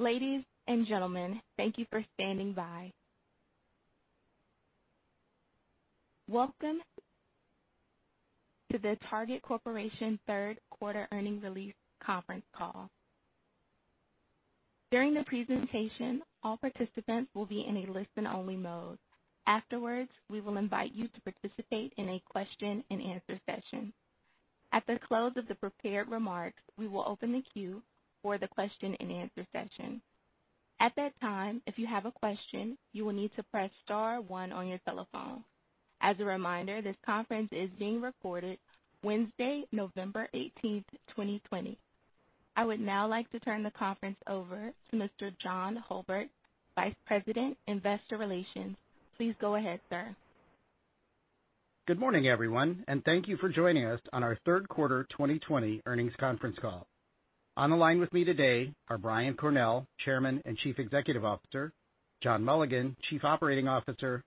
Ladies and gentlemen, thank you for standing by. Welcome to the Target Corporation Q3 earnings release conference call. I would now like to turn the conference over to Mr. John Hulbert, Vice President, Investor Relations. Please go ahead, sir. Good morning, everyone, and thank you for joining us on our Q3 2020 earnings conference call. On the line with me today are Brian Cornell, Chairman and Chief Executive Officer, John Mulligan, Chief Operating Officer,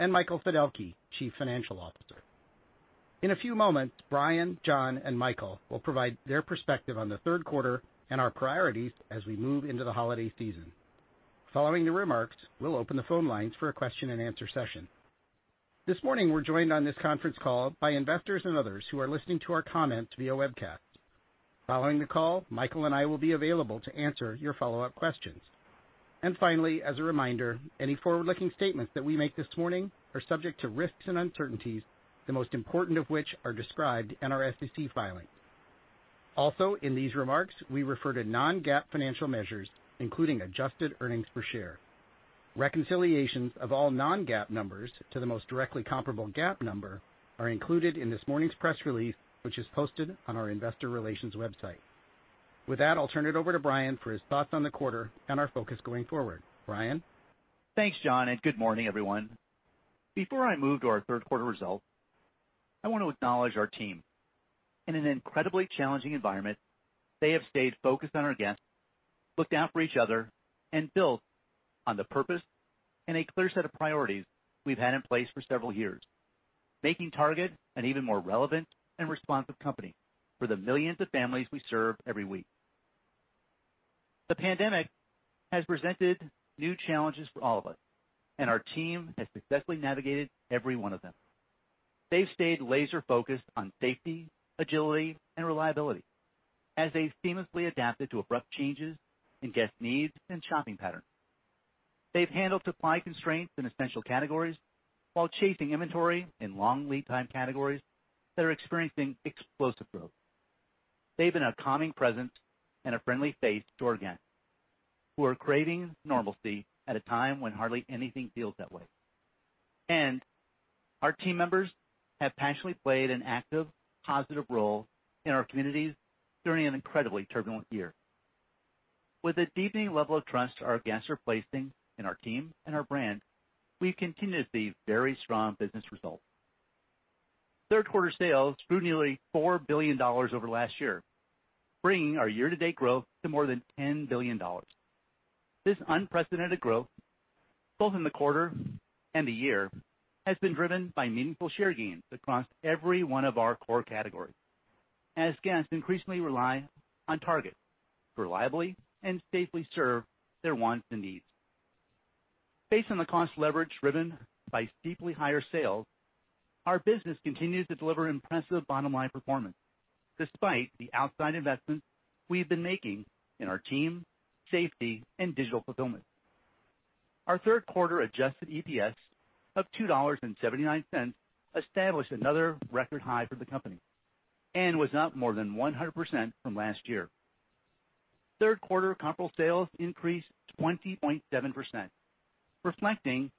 and Michael Fiddelke, Chief Financial Officer. In a few moments, Brian, John, and Michael will provide their perspective on the Q3 and our priorities as we move into the holiday season. Following the remarks, we'll open the phone lines for a question and answer session. This morning, we're joined on this conference call by investors and others who are listening to our comments via webcast. Following the call, Michael and I will be available to answer your follow-up questions. Finally, as a reminder, any forward-looking statements that we make this morning are subject to risks and uncertainties, the most important of which are described in our SEC filings. In these remarks, we refer to non-GAAP financial measures, including adjusted earnings per share. Reconciliations of all non-GAAP numbers to the most directly comparable GAAP number are included in this morning's press release, which is posted on our investor relations website. With that, I'll turn it over to Brian for his thoughts on the quarter and our focus going forward. Brian? Thanks, John, and good morning, everyone. Before I move to our Q3 results, I want to acknowledge our team. In an incredibly challenging environment, they have stayed focused on our guests, looked out for each other, and built on the purpose and a clear set of priorities we've had in place for several years, making Target an even more relevant and responsive company for the millions of families we serve every week. The pandemic has presented new challenges for all of us, and our team has successfully navigated every one of them. They've stayed laser-focused on safety, agility, and reliability as they've seamlessly adapted to abrupt changes in guest needs and shopping patterns. They've handled supply constraints in essential categories while chasing inventory in long lead time categories that are experiencing explosive growth. They've been a calming presence and a friendly face to our guests who are craving normalcy at a time when hardly anything feels that way. Our team members have passionately played an active, positive role in our communities during an incredibly turbulent year. With a deepening level of trust our guests are placing in our team and our brand, we continue to see very strong business results. Third quarter sales grew nearly $4 billion over last year, bringing our year-to-date growth to more than $10 billion. This unprecedented growth, both in the quarter and the year, has been driven by meaningful share gains across every one of our core categories as guests increasingly rely on Target to reliably and safely serve their wants and needs. Based on the cost leverage driven by steeply higher sales, our business continues to deliver impressive bottom-line performance, despite the outside investments we've been making in our team, safety, and digital fulfillment. Our Q3 adjusted EPS of $2.79 established another record high for the company and was up more than 100% from last year. Q3 comparable sales increased 20.7%, reflecting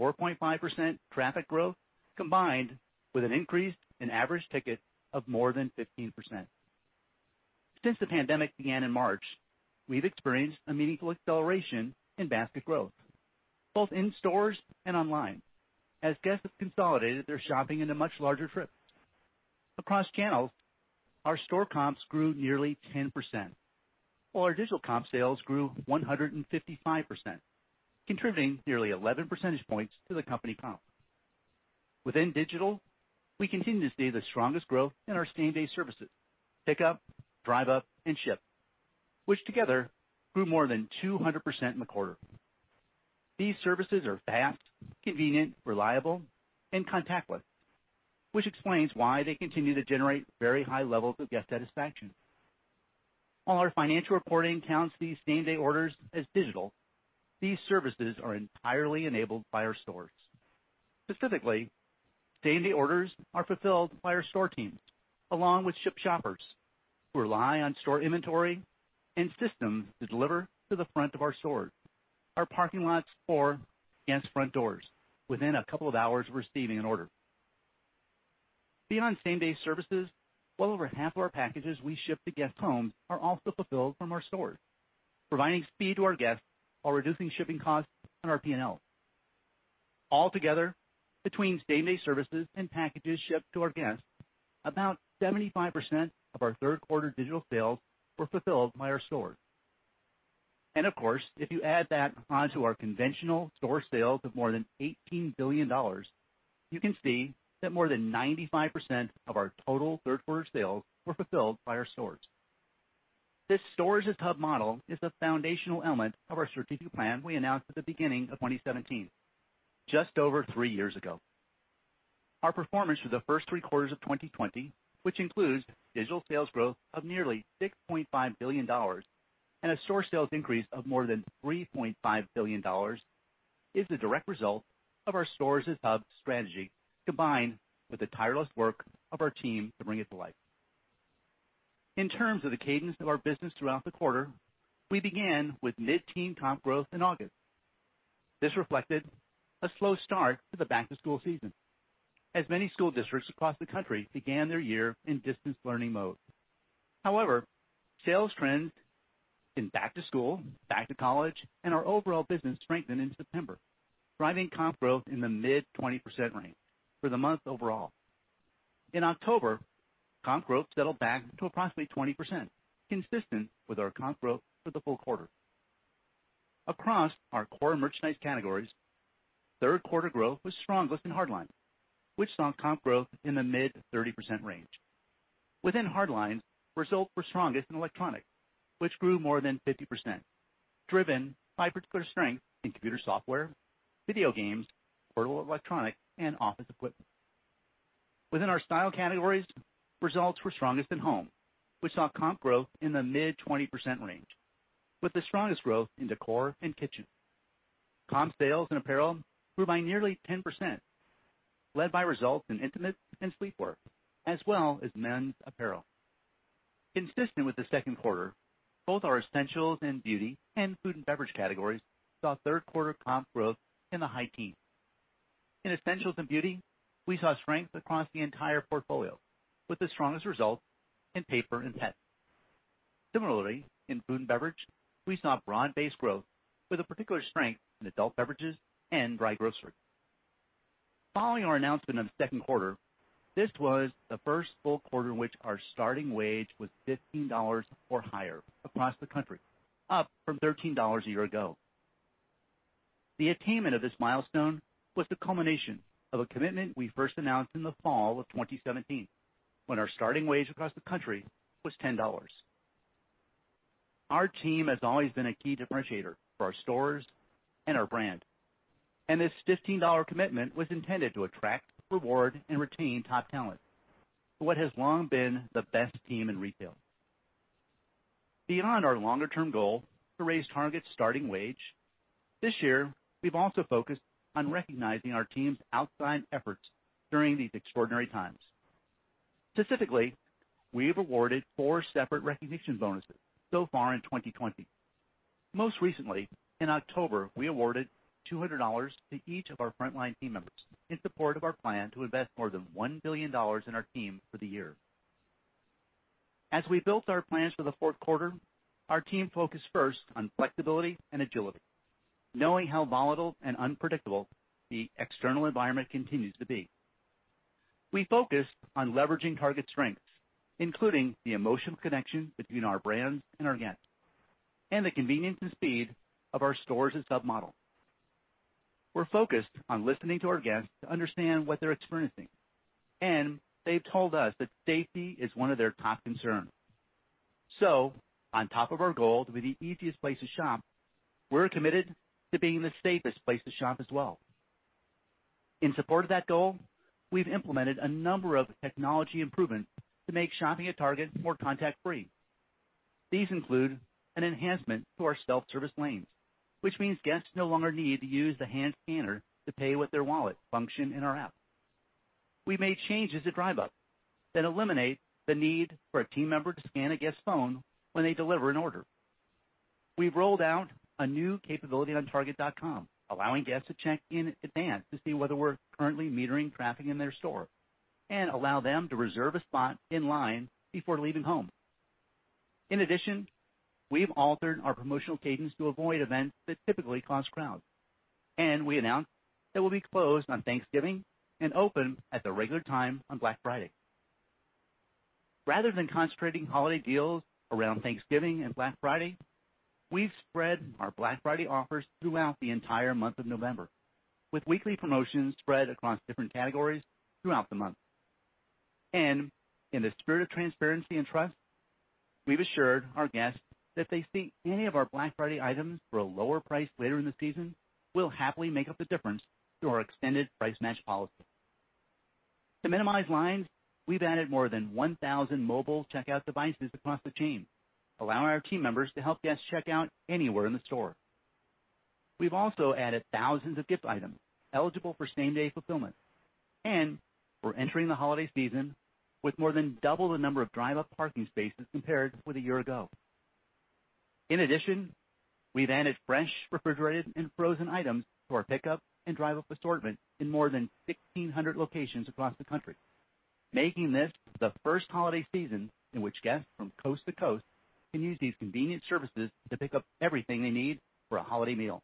4.5% traffic growth, combined with an increase in average ticket of more than 15%. Since the pandemic began in March, we've experienced a meaningful acceleration in basket growth, both in stores and online, as guests have consolidated their shopping into much larger trips. Across channels, our store comps grew nearly 10%, while our digital comp sales grew 155%, contributing nearly 11 percentage points to the company comp. Within digital, we continue to see the strongest growth in our same day services: Pickup, Drive Up, and Shipt, which together grew more than 200% in the quarter. These services are fast, convenient, reliable, and contactless, which explains why they continue to generate very high levels of guest satisfaction. While our financial reporting counts these same day orders as digital, these services are entirely enabled by our stores. Specifically, same day orders are fulfilled by our store teams, along with Shipt Shoppers, who rely on store inventory and systems to deliver to the front of our stores, our parking lots, or guests' front doors within a couple of hours of receiving an order. Beyond same day services, well over half of our packages we ship to guests' homes are also fulfilled from our stores, providing speed to our guests while reducing shipping costs on our P&L. All together, between same day services and packages shipped to our guests, about 75% of our Q3 digital sales were fulfilled by our stores. If you add that onto our conventional store sales of more than $18 billion. You can see that more than 95% of our total third quarter sales were fulfilled by our stores. This stores as hub model is the foundational element of our strategic plan we announced at the beginning of 2017, just over three years ago. Our performance for the first Q3 of 2020, which includes digital sales growth of nearly $6.5 billion and a store sales increase of more than $3.5 billion, is the direct result of our stores as hub strategy, combined with the tireless work of our team to bring it to life. In terms of the cadence of our business throughout the quarter, we began with mid-teen comp growth in August. This reflected a slow start to the back-to-school season, as many school districts across the country began their year in distance learning mode. However, sales trends in back-to-school, back-to-college, and our overall business strengthened in September, driving comp growth in the mid-20% range for the month overall. In October, comp growth settled back to approximately 20%, consistent with our comp growth for the full quarter. Across our core merchandise categories, Q3 growth was strongest in hardline, which saw comp growth in the mid-30% range. Within hardline, results were strongest in electronic, which grew more than 50%, driven by particular strength in computer software, video games, portable electronic, and office equipment. Within our style categories, results were strongest in home, which saw comp growth in the mid-20% range, with the strongest growth in decor and kitchen. Comp sales in apparel grew by nearly 10%, led by results in intimate and sleepwear, as well as men's apparel. Consistent with the Q2, both our essentials and beauty and food and beverage categories saw Q3 comp growth in the high teens. In essentials and beauty, we saw strength across the entire portfolio, with the strongest results in paper and pet. Similarly, in food and beverage, we saw broad-based growth with a particular strength in adult beverages and dry grocery. Following our announcement of the Q2, this was the first full quarter in which our starting wage was $15 or higher across the country, up from $13 a year ago. The attainment of this milestone was the culmination of a commitment we first announced in the fall of 2017, when our starting wage across the country was $10. Our team has always been a key differentiator for our stores and our brand, and this $15 commitment was intended to attract, reward, and retain top talent for what has long been the best team in retail. Beyond our longer-term goal to raise Target's starting wage, this year, we've also focused on recognizing our team's outstanding efforts during these extraordinary times. Specifically, we have awarded four separate recognition bonuses so far in 2020. Most recently, in October, we awarded $200 to each of our frontline team members in support of our plan to invest more than $1 billion in our team for the year. As we built our plans for the Q4, our team focused first on flexibility and agility, knowing how volatile and unpredictable the external environment continues to be. We focused on leveraging Target's strengths, including the emotional connection between our brand and our guests, and the convenience and speed of our stores as hub model. We're focused on listening to our guests to understand what they're experiencing, they've told us that safety is one of their top concerns. On top of our goal to be the easiest place to shop, we're committed to being the safest place to shop as well. In support of that goal, we've implemented a number of technology improvements to make shopping at Target more contact-free. These include an enhancement to our self-service lanes, which means guests no longer need to use the hand scanner to pay with their Wallet function in our app. We made changes to Drive Up that eliminate the need for a team member to scan a guest's phone when they deliver an order. We've rolled out a new capability on target.com, allowing guests to check in advance to see whether we're currently metering traffic in their store and allow them to reserve a spot in line before leaving home. We've altered our promotional cadence to avoid events that typically cause crowds, and we announced that we'll be closed on Thanksgiving and open at the regular time on Black Friday. Rather than concentrating holiday deals around Thanksgiving and Black Friday, we've spread our Black Friday offers throughout the entire month of November, with weekly promotions spread across different categories throughout the month. In the spirit of transparency and trust, we've assured our guests that if they see any of our Black Friday items for a lower price later in the season, we'll happily make up the difference through our extended price match policy. To minimize lines, we've added more than 1,000 mobile checkout devices across the chain, allowing our team members to help guests check out anywhere in the store. We've also added thousands of gift items eligible for same-day fulfillment, and we're entering the holiday season with more than double the number of Drive Up parking spaces compared with a year ago. We've added fresh, refrigerated, and frozen items to our pickup and Drive Up assortment in more than 1,600 locations across the country, making this the first holiday season in which guests from coast to coast can use these convenient services to pick up everything they need for a holiday meal.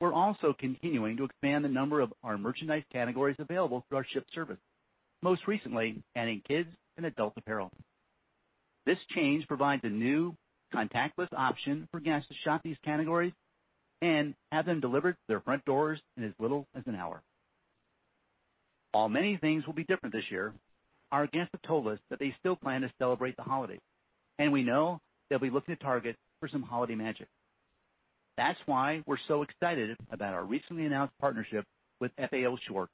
We're also continuing to expand the number of our merchandise categories available through our Shipt service, most recently adding kids and adult apparel. This change provides a new contactless option for guests to shop these categories and have them delivered to their front doors in as little as an hour. While many things will be different this year, our guests have told us that they still plan to celebrate the holiday, and we know they'll be looking to Target for some holiday magic. That's why we're so excited about our recently announced partnership with F.A.O. Schwarz.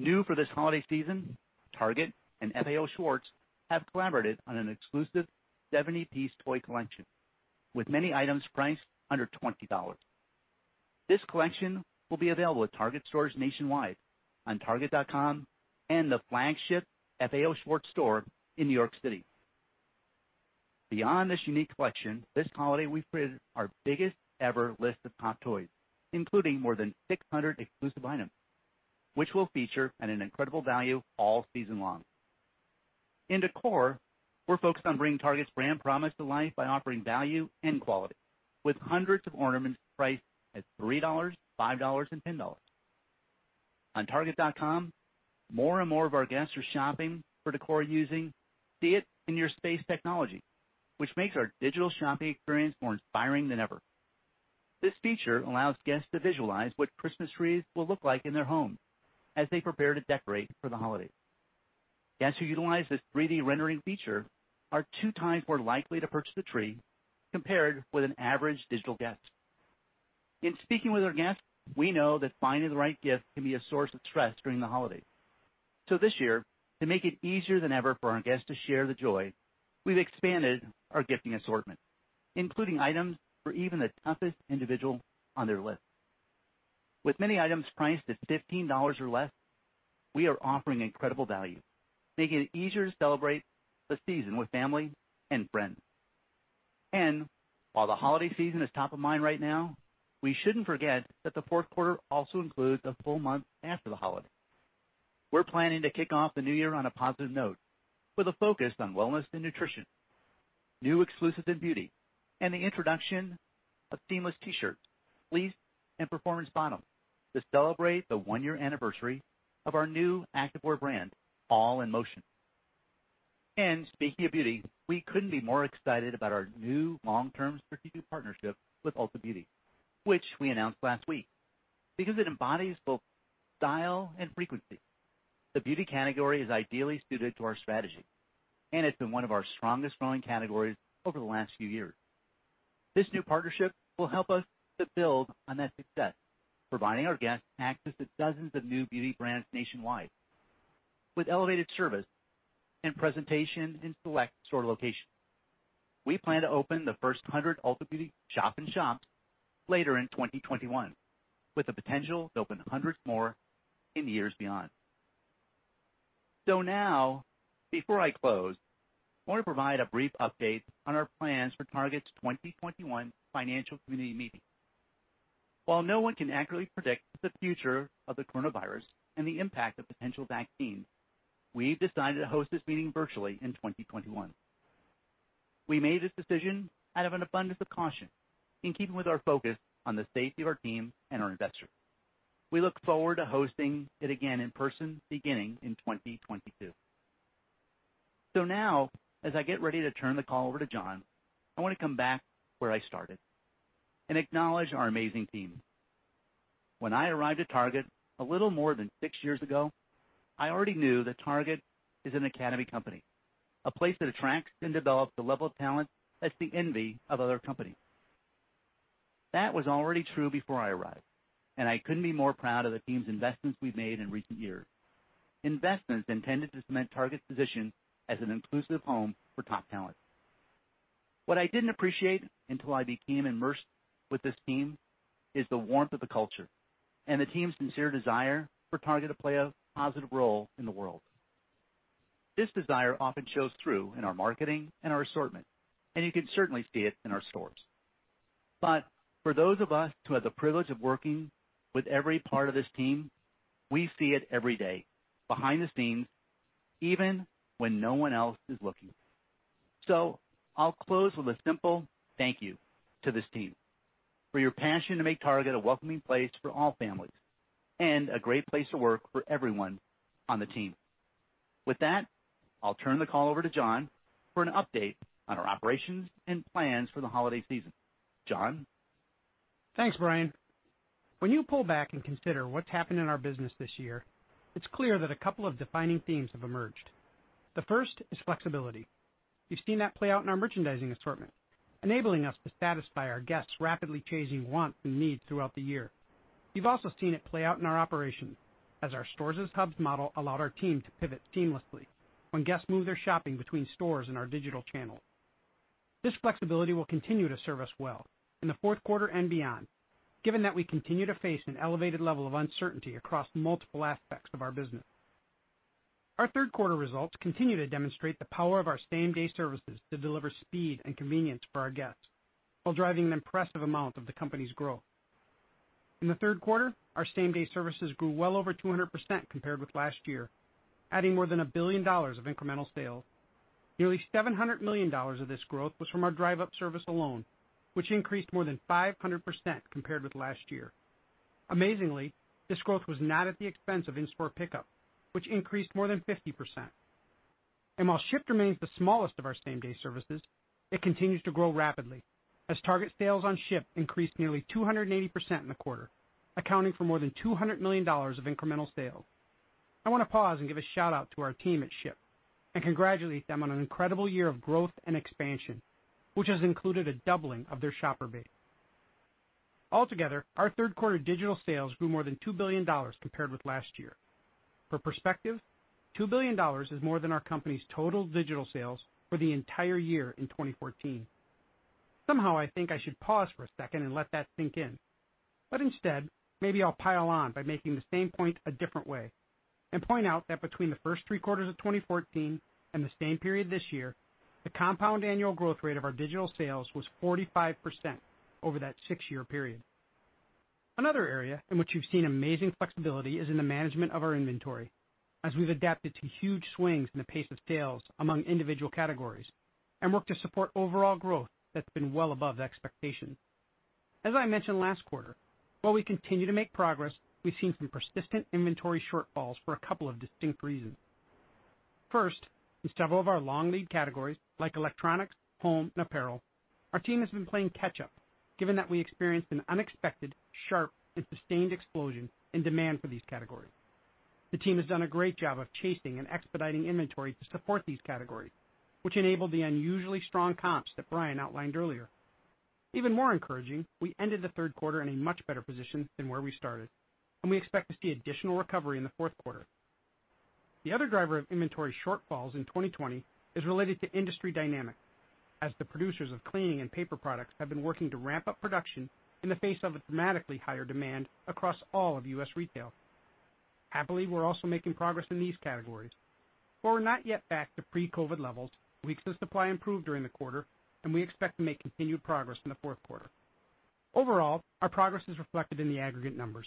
New for this holiday season, Target and FAO Schwarz have collaborated on an exclusive 70-piece toy collection, with many items priced under $20. This collection will be available at Target stores nationwide, on target.com, and the flagship FAO Schwarz store in New York City. Beyond this unique collection, this holiday, we've created our biggest ever list of top toys, including more than 600 exclusive items, which we'll feature at an incredible value all season long. In decor, we're focused on bringing Target's brand promise to life by offering value and quality, with hundreds of ornaments priced at $3, $5, and $10. On target.com, more and more of our guests are shopping for decor using See It in Your Space technology, which makes our digital shopping experience more inspiring than ever. This feature allows guests to visualize what Christmas trees will look like in their home as they prepare to decorate for the holiday. Guests who utilize this 3D rendering feature are two times more likely to purchase a tree compared with an average digital guest. In speaking with our guests, we know that finding the right gift can be a source of stress during the holiday. This year, to make it easier than ever for our guests to share the joy, we've expanded our gifting assortment, including items for even the toughest individual on their list. With many items priced at $15 or less, we are offering incredible value, making it easier to celebrate the season with family and friends. While the holiday season is top of mind right now, we shouldn't forget that the Q4 also includes the full month after the holiday. We're planning to kick off the new year on a positive note with a focus on wellness and nutrition, new exclusives in beauty, and the introduction of seamless T-shirts, fleeced, and performance bottoms to celebrate the one-year anniversary of our new activewear brand, All In Motion. Speaking of beauty, we couldn't be more excited about our new long-term strategic partnership with Ulta Beauty, which we announced last week, because it embodies both style and frequency. The beauty category is ideally suited to our strategy, and it's been one of our strongest growing categories over the last few years. This new partnership will help us to build on that success, providing our guests access to dozens of new beauty brands nationwide with elevated service and presentation in select store locations. We plan to open the first 100 Ulta Beauty shop in shops later in 2021, with the potential to open hundreds more in years beyond. Now, before I close, I want to provide a brief update on our plans for Target's 2021 financial community meeting. While no one can accurately predict the future of the coronavirus and the impact of potential vaccines, we've decided to host this meeting virtually in 2021. We made this decision out of an abundance of caution in keeping with our focus on the safety of our team and our investors. We look forward to hosting it again in person beginning in 2022. Now, as I get ready to turn the call over to John, I want to come back where I started and acknowledge our amazing team. When I arrived at Target a little more than six years ago, I already knew that Target is an academy company, a place that attracts and develops the level of talent that's the envy of other companies. That was already true before I arrived, and I couldn't be more proud of the team's investments we've made in recent years, investments intended to cement Target's position as an inclusive home for top talent. What I didn't appreciate until I became immersed with this team is the warmth of the culture and the team's sincere desire for Target to play a positive role in the world. This desire often shows through in our marketing and our assortment, and you can certainly see it in our stores. For those of us who have the privilege of working with every part of this team, we see it every day behind the scenes, even when no one else is looking. I'll close with a simple thank you to this team for your passion to make Target a welcoming place for all families and a great place to work for everyone on the team. With that, I'll turn the call over to John for an update on our operations and plans for the holiday season. John? Thanks, Brian. When you pull back and consider what's happened in our business this year, it's clear that a couple of defining themes have emerged. The first is flexibility. You've seen that play out in our merchandising assortment, enabling us to satisfy our guests' rapidly changing wants and needs throughout the year. You've also seen it play out in our operations as our stores as hubs model allowed our team to pivot seamlessly when guests move their shopping between stores and our digital channels. This flexibility will continue to serve us well in the Q4 and beyond, given that we continue to face an elevated level of uncertainty across multiple aspects of our business. Our Q3 results continue to demonstrate the power of our same-day services to deliver speed and convenience for our guests while driving an impressive amount of the company's growth. In the Q3, our same-day services grew well over 200% compared with last year, adding more than $1 billion of incremental sales. Nearly $700 million of this growth was from our Drive Up service alone, which increased more than 500% compared with last year. Amazingly, this growth was not at the expense of in-store pickup, which increased more than 50%. While Shipt remains the smallest of our same-day services, it continues to grow rapidly as Target sales on Shipt increased nearly 280% in the quarter, accounting for more than $200 million of incremental sales. I want to pause and give a shout-out to our team at Shipt and congratulate them on an incredible year of growth and expansion, which has included a doubling of their shopper base. Altogether, our third quarter digital sales grew more than $2 billion compared with last year. For perspective, $2 billion is more than our company's total digital sales for the entire year in 2014. Instead, maybe I'll pile on by making the same point a different way and point out that between the first Q3 of 2014 and the same period this year, the compound annual growth rate of our digital sales was 45% over that six-year period. Another area in which you've seen amazing flexibility is in the management of our inventory, as we've adapted to huge swings in the pace of sales among individual categories and worked to support overall growth that's been well above the expectation. As I mentioned last quarter, while we continue to make progress, we've seen some persistent inventory shortfalls for a couple of distinct reasons. In several of our long lead categories like electronics, home, and apparel, our team has been playing catch-up given that we experienced an unexpected, sharp, and sustained explosion in demand for these categories. The team has done a great job of chasing and expediting inventory to support these categories, which enabled the unusually strong comps that Brian outlined earlier. Even more encouraging, we ended the Q3 in a much better position than where we started, and we expect to see additional recovery in the Q4. The other driver of inventory shortfalls in 2020 is related to industry dynamics, as the producers of cleaning and paper products have been working to ramp up production in the face of dramatically higher demand across all of U.S. retail. Happily, we're also making progress in these categories. We're not yet back to pre-COVID levels. Weeks of supply improved during the quarter, and we expect to make continued progress in the fourth quarter. Overall, our progress is reflected in the aggregate numbers.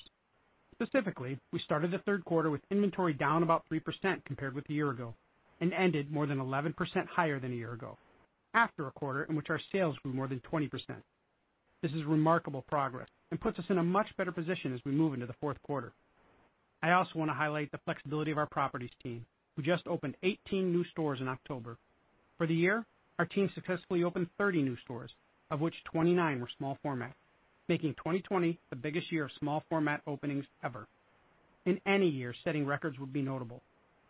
Specifically, we started the Q3 with inventory down about three percent compared with a year ago and ended more than 11% higher than a year ago, after a quarter in which our sales grew more than 20%. This is remarkable progress and puts us in a much better position as we move into the Q4 I also want to highlight the flexibility of our properties team, who just opened 18 new stores in October. For the year, our team successfully opened 30 new stores, of which 29 were small format, making 2020 the biggest year of small format openings ever. In any year, setting records would be notable,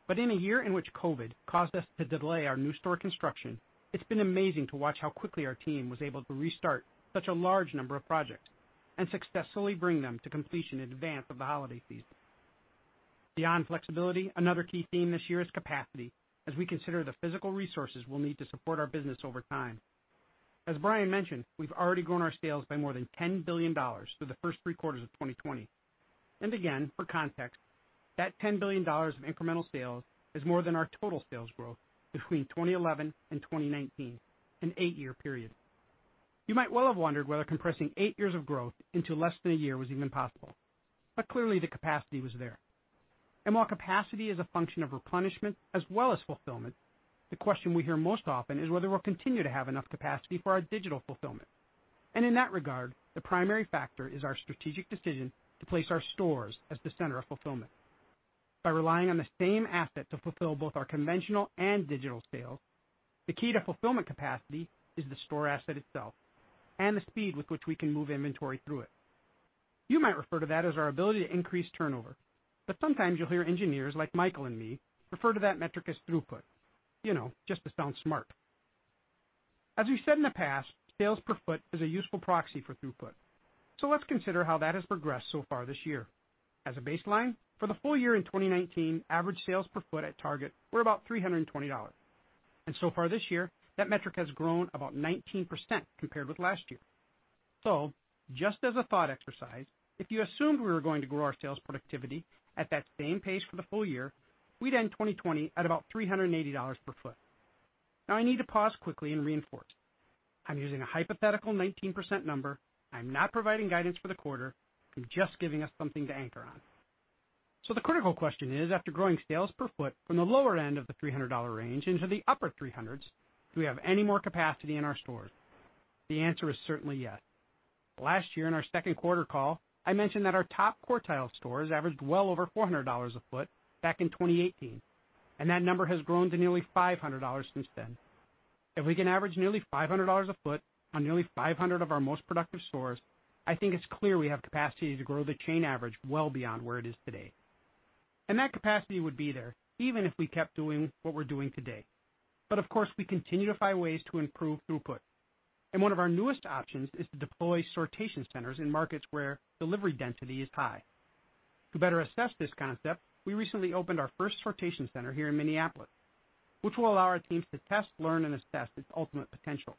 but in a year in which COVID-19 caused us to delay our new store construction, it's been amazing to watch how quickly our team was able to restart such a large number of projects and successfully bring them to completion in advance of the holiday season. Beyond flexibility, another key theme this year is capacity, as we consider the physical resources we'll need to support our business over time. As Brian mentioned, we've already grown our sales by more than $10 billion through the first Q3 of 2020. Again, for context, that $10 billion of incremental sales is more than our total sales growth between 2011 and 2019, an eight-year period. You might well have wondered whether compressing eight years of growth into less than a year was even possible. Clearly, the capacity was there. While capacity is a function of replenishment as well as fulfillment, the question we hear most often is whether we'll continue to have enough capacity for our digital fulfillment. In that regard, the primary factor is our strategic decision to place our stores as the center of fulfillment. By relying on the same asset to fulfill both our conventional and digital sales, the key to fulfillment capacity is the store asset itself and the speed with which we can move inventory through it. You might refer to that as our ability to increase turnover, but sometimes you'll hear engineers like Michael and me refer to that metric as throughput, you know, just to sound smart. As we've said in the past, sales per foot is a useful proxy for throughput. Let's consider how that has progressed so far this year. As a baseline, for the full year in 2019, average sales per foot at Target were about $320. So far this year, that metric has grown about 19% compared with last year. Just as a thought exercise, if you assumed we were going to grow our sales productivity at that same pace for the full year, we'd end 2020 at about $380 per foot. Now I need to pause quickly and reinforce. I'm using a hypothetical 19% number. I'm not providing guidance for the quarter. I'm just giving us something to anchor on. The critical question is, after growing sales per foot from the lower end of the $300 range into the upper $300s, do we have any more capacity in our stores? The answer is certainly yes. Last year in our Q2 call, I mentioned that our top quartile stores averaged well over $400 a foot back in 2018, and that number has grown to nearly $500 since then. If we can average nearly $500 a foot on nearly 500 of our most productive stores, I think it's clear we have capacity to grow the chain average well beyond where it is today. That capacity would be there even if we kept doing what we're doing today. Of course, we continue to find ways to improve throughput. One of our newest options is to deploy sortation centers in markets where delivery density is high. To better assess this concept, we recently opened our first sortation center here in Minneapolis, which will allow our teams to test, learn, and assess its ultimate potential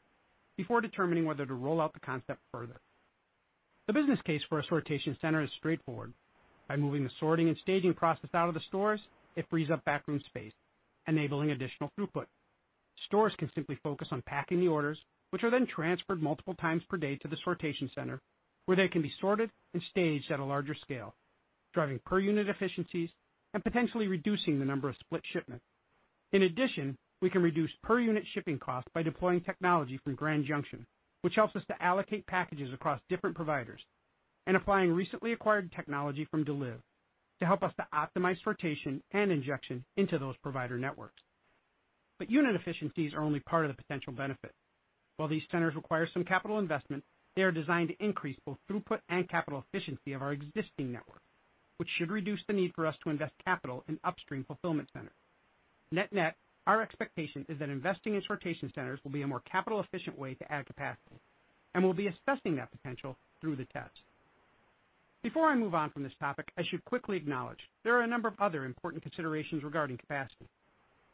before determining whether to roll out the concept further. The business case for a sortation center is straightforward. By moving the sorting and staging process out of the stores, it frees up backroom space, enabling additional throughput. Stores can simply focus on packing the orders, which are then transferred multiple times per day to the sortation center, where they can be sorted and staged at a larger scale, driving per-unit efficiencies and potentially reducing the number of split shipments. In addition, we can reduce per unit shipping costs by deploying technology from Grand Junction, which helps us to allocate packages across different providers, and applying recently acquired technology from Deliv to help us to optimize sortation and injection into those provider networks. Unit efficiencies are only part of the potential benefit. While these centers require some capital investment, they are designed to increase both throughput and capital efficiency of our existing network, which should reduce the need for us to invest capital in upstream fulfillment centers. Net net, our expectation is that investing in sortation centers will be a more capital efficient way to add capacity, and we'll be assessing that potential through the test. Before I move on from this topic, I should quickly acknowledge there are a number of other important considerations regarding capacity.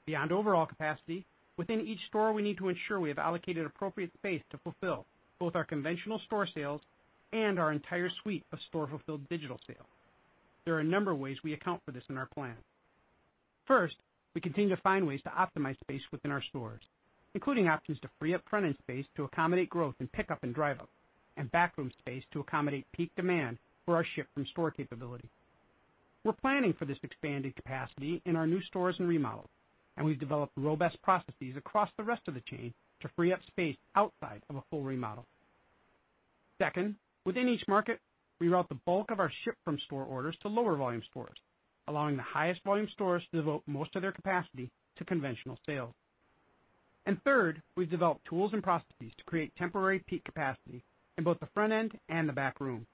Beyond overall capacity, within each store, we need to ensure we have allocated appropriate space to fulfill both our conventional store sales and our entire suite of store-fulfilled digital sales. There are a number of ways we account for this in our plan. First, we continue to find ways to optimize space within our stores, including options to free up front-end space to accommodate growth in pickup and Drive Up, and backroom space to accommodate peak demand for our ship-from-store capability. We're planning for this expanded capacity in our new stores and remodels, we've developed robust processes across the rest of the chain to free up space outside of a full remodel. Second, within each market, we route the bulk of our ship-from-store orders to lower volume stores, allowing the highest volume stores to devote most of their capacity to conventional sales. Third, we've developed tools and processes to create temporary peak capacity in both the front end and the back room,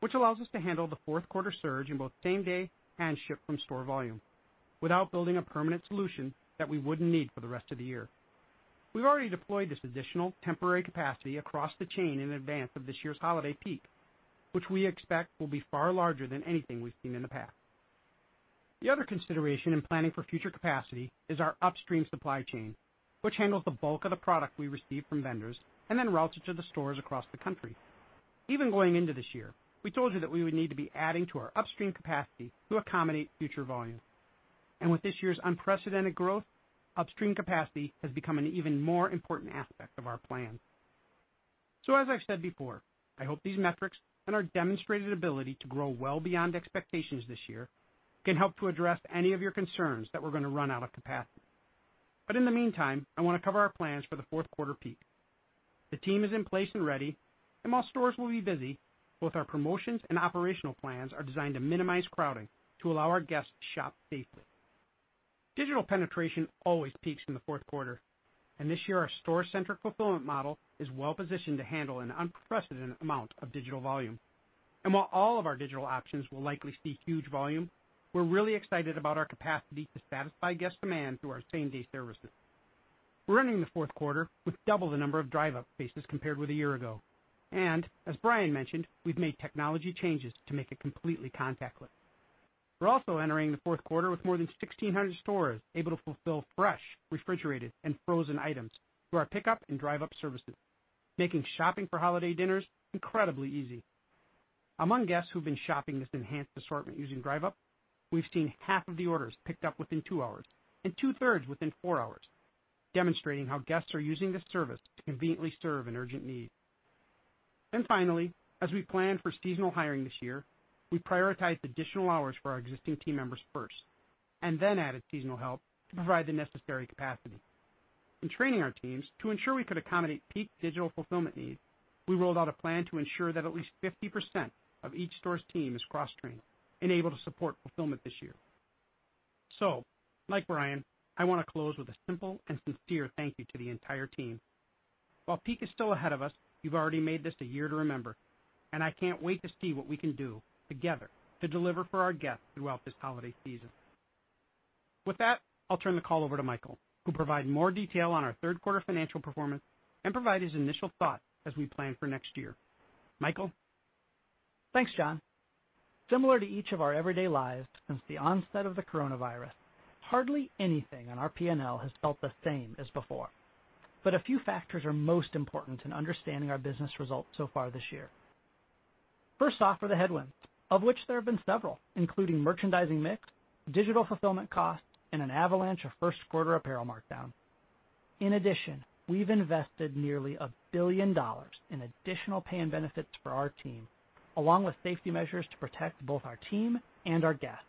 which allows us to handle the Q4 surge in both same-day and ship-from-store volume without building a permanent solution that we wouldn't need for the rest of the year. We've already deployed this additional temporary capacity across the chain in advance of this year's holiday peak, which we expect will be far larger than anything we've seen in the past. The other consideration in planning for future capacity is our upstream supply chain, which handles the bulk of the product we receive from vendors and then routes it to the stores across the country. Even going into this year, we told you that we would need to be adding to our upstream capacity to accommodate future volume. With this year's unprecedented growth, upstream capacity has become an even more important aspect of our plan. As I've said before, I hope these metrics and our demonstrated ability to grow well beyond expectations this year can help to address any of your concerns that we're going to run out of capacity. In the meantime, I want to cover our plans for the fourth quarter peak. The team is in place and ready, and while stores will be busy, both our promotions and operational plans are designed to minimize crowding to allow our guests to shop safely. Digital penetration always peaks in the fourth quarter, and this year our store-centric fulfillment model is well-positioned to handle an unprecedented amount of digital volume. While all of our digital options will likely see huge volume, we're really excited about our capacity to satisfy guest demand through our same-day services. We're entering the Q4 with double the number of Drive Up spaces compared with a year ago. As Brian mentioned, we've made technology changes to make it completely contactless. We're also entering the fourth quarter with more than 1,600 stores able to fulfill fresh, refrigerated, and frozen items through our Pickup and Drive Up services, making shopping for holiday dinners incredibly easy. Among guests who've been shopping this enhanced assortment using Drive Up, we've seen half of the orders picked up within two hours and two-thirds within four hours, demonstrating how guests are using this service to conveniently serve an urgent need. Finally, as we planned for seasonal hiring this year, we prioritized additional hours for our existing team members first, and then added seasonal help to provide the necessary capacity. In training our teams to ensure we could accommodate peak digital fulfillment needs, we rolled out a plan to ensure that at least 50% of each store's team is cross-trained and able to support fulfillment this year. Like Brian, I want to close with a simple and sincere thank you to the entire team. While peak is still ahead of us, you've already made this a year to remember, and I can't wait to see what we can do together to deliver for our guests throughout this holiday season. With that, I'll turn the call over to Michael, who'll provide more detail on our Q financial performance and provide his initial thoughts as we plan for next year. Michael? Thanks, John. Similar to each of our everyday lives since the onset of the coronavirus, hardly anything on our P&L has felt the same as before. A few factors are most important in understanding our business results so far this year. First off are the headwinds, of which there have been several, including merchandising mix, digital fulfillment costs, and an avalanche of Q1 apparel markdown. In addition, we've invested nearly $1 billion in additional pay and benefits for our team, along with safety measures to protect both our team and our guests.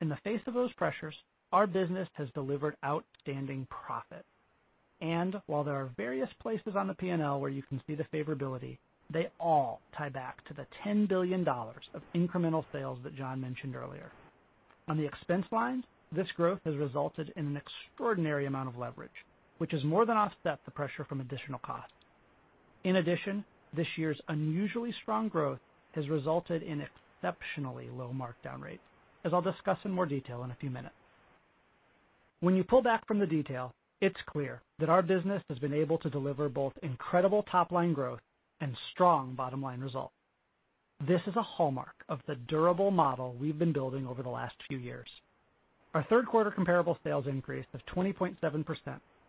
In the face of those pressures, our business has delivered outstanding profit. While there are various places on the P&L where you can see the favorability, they all tie back to the $10 billion of incremental sales that John mentioned earlier. On the expense line, this growth has resulted in an extraordinary amount of leverage, which has more than offset the pressure from additional costs. In addition, this year's unusually strong growth has resulted in exceptionally low markdown rates, as I'll discuss in more detail in a few minutes. When you pull back from the detail, it's clear that our business has been able to deliver both incredible top-line growth and strong bottom-line results. This is a hallmark of the durable model we've been building over the last few years. Our third quarter comparable sales increase of 20.7%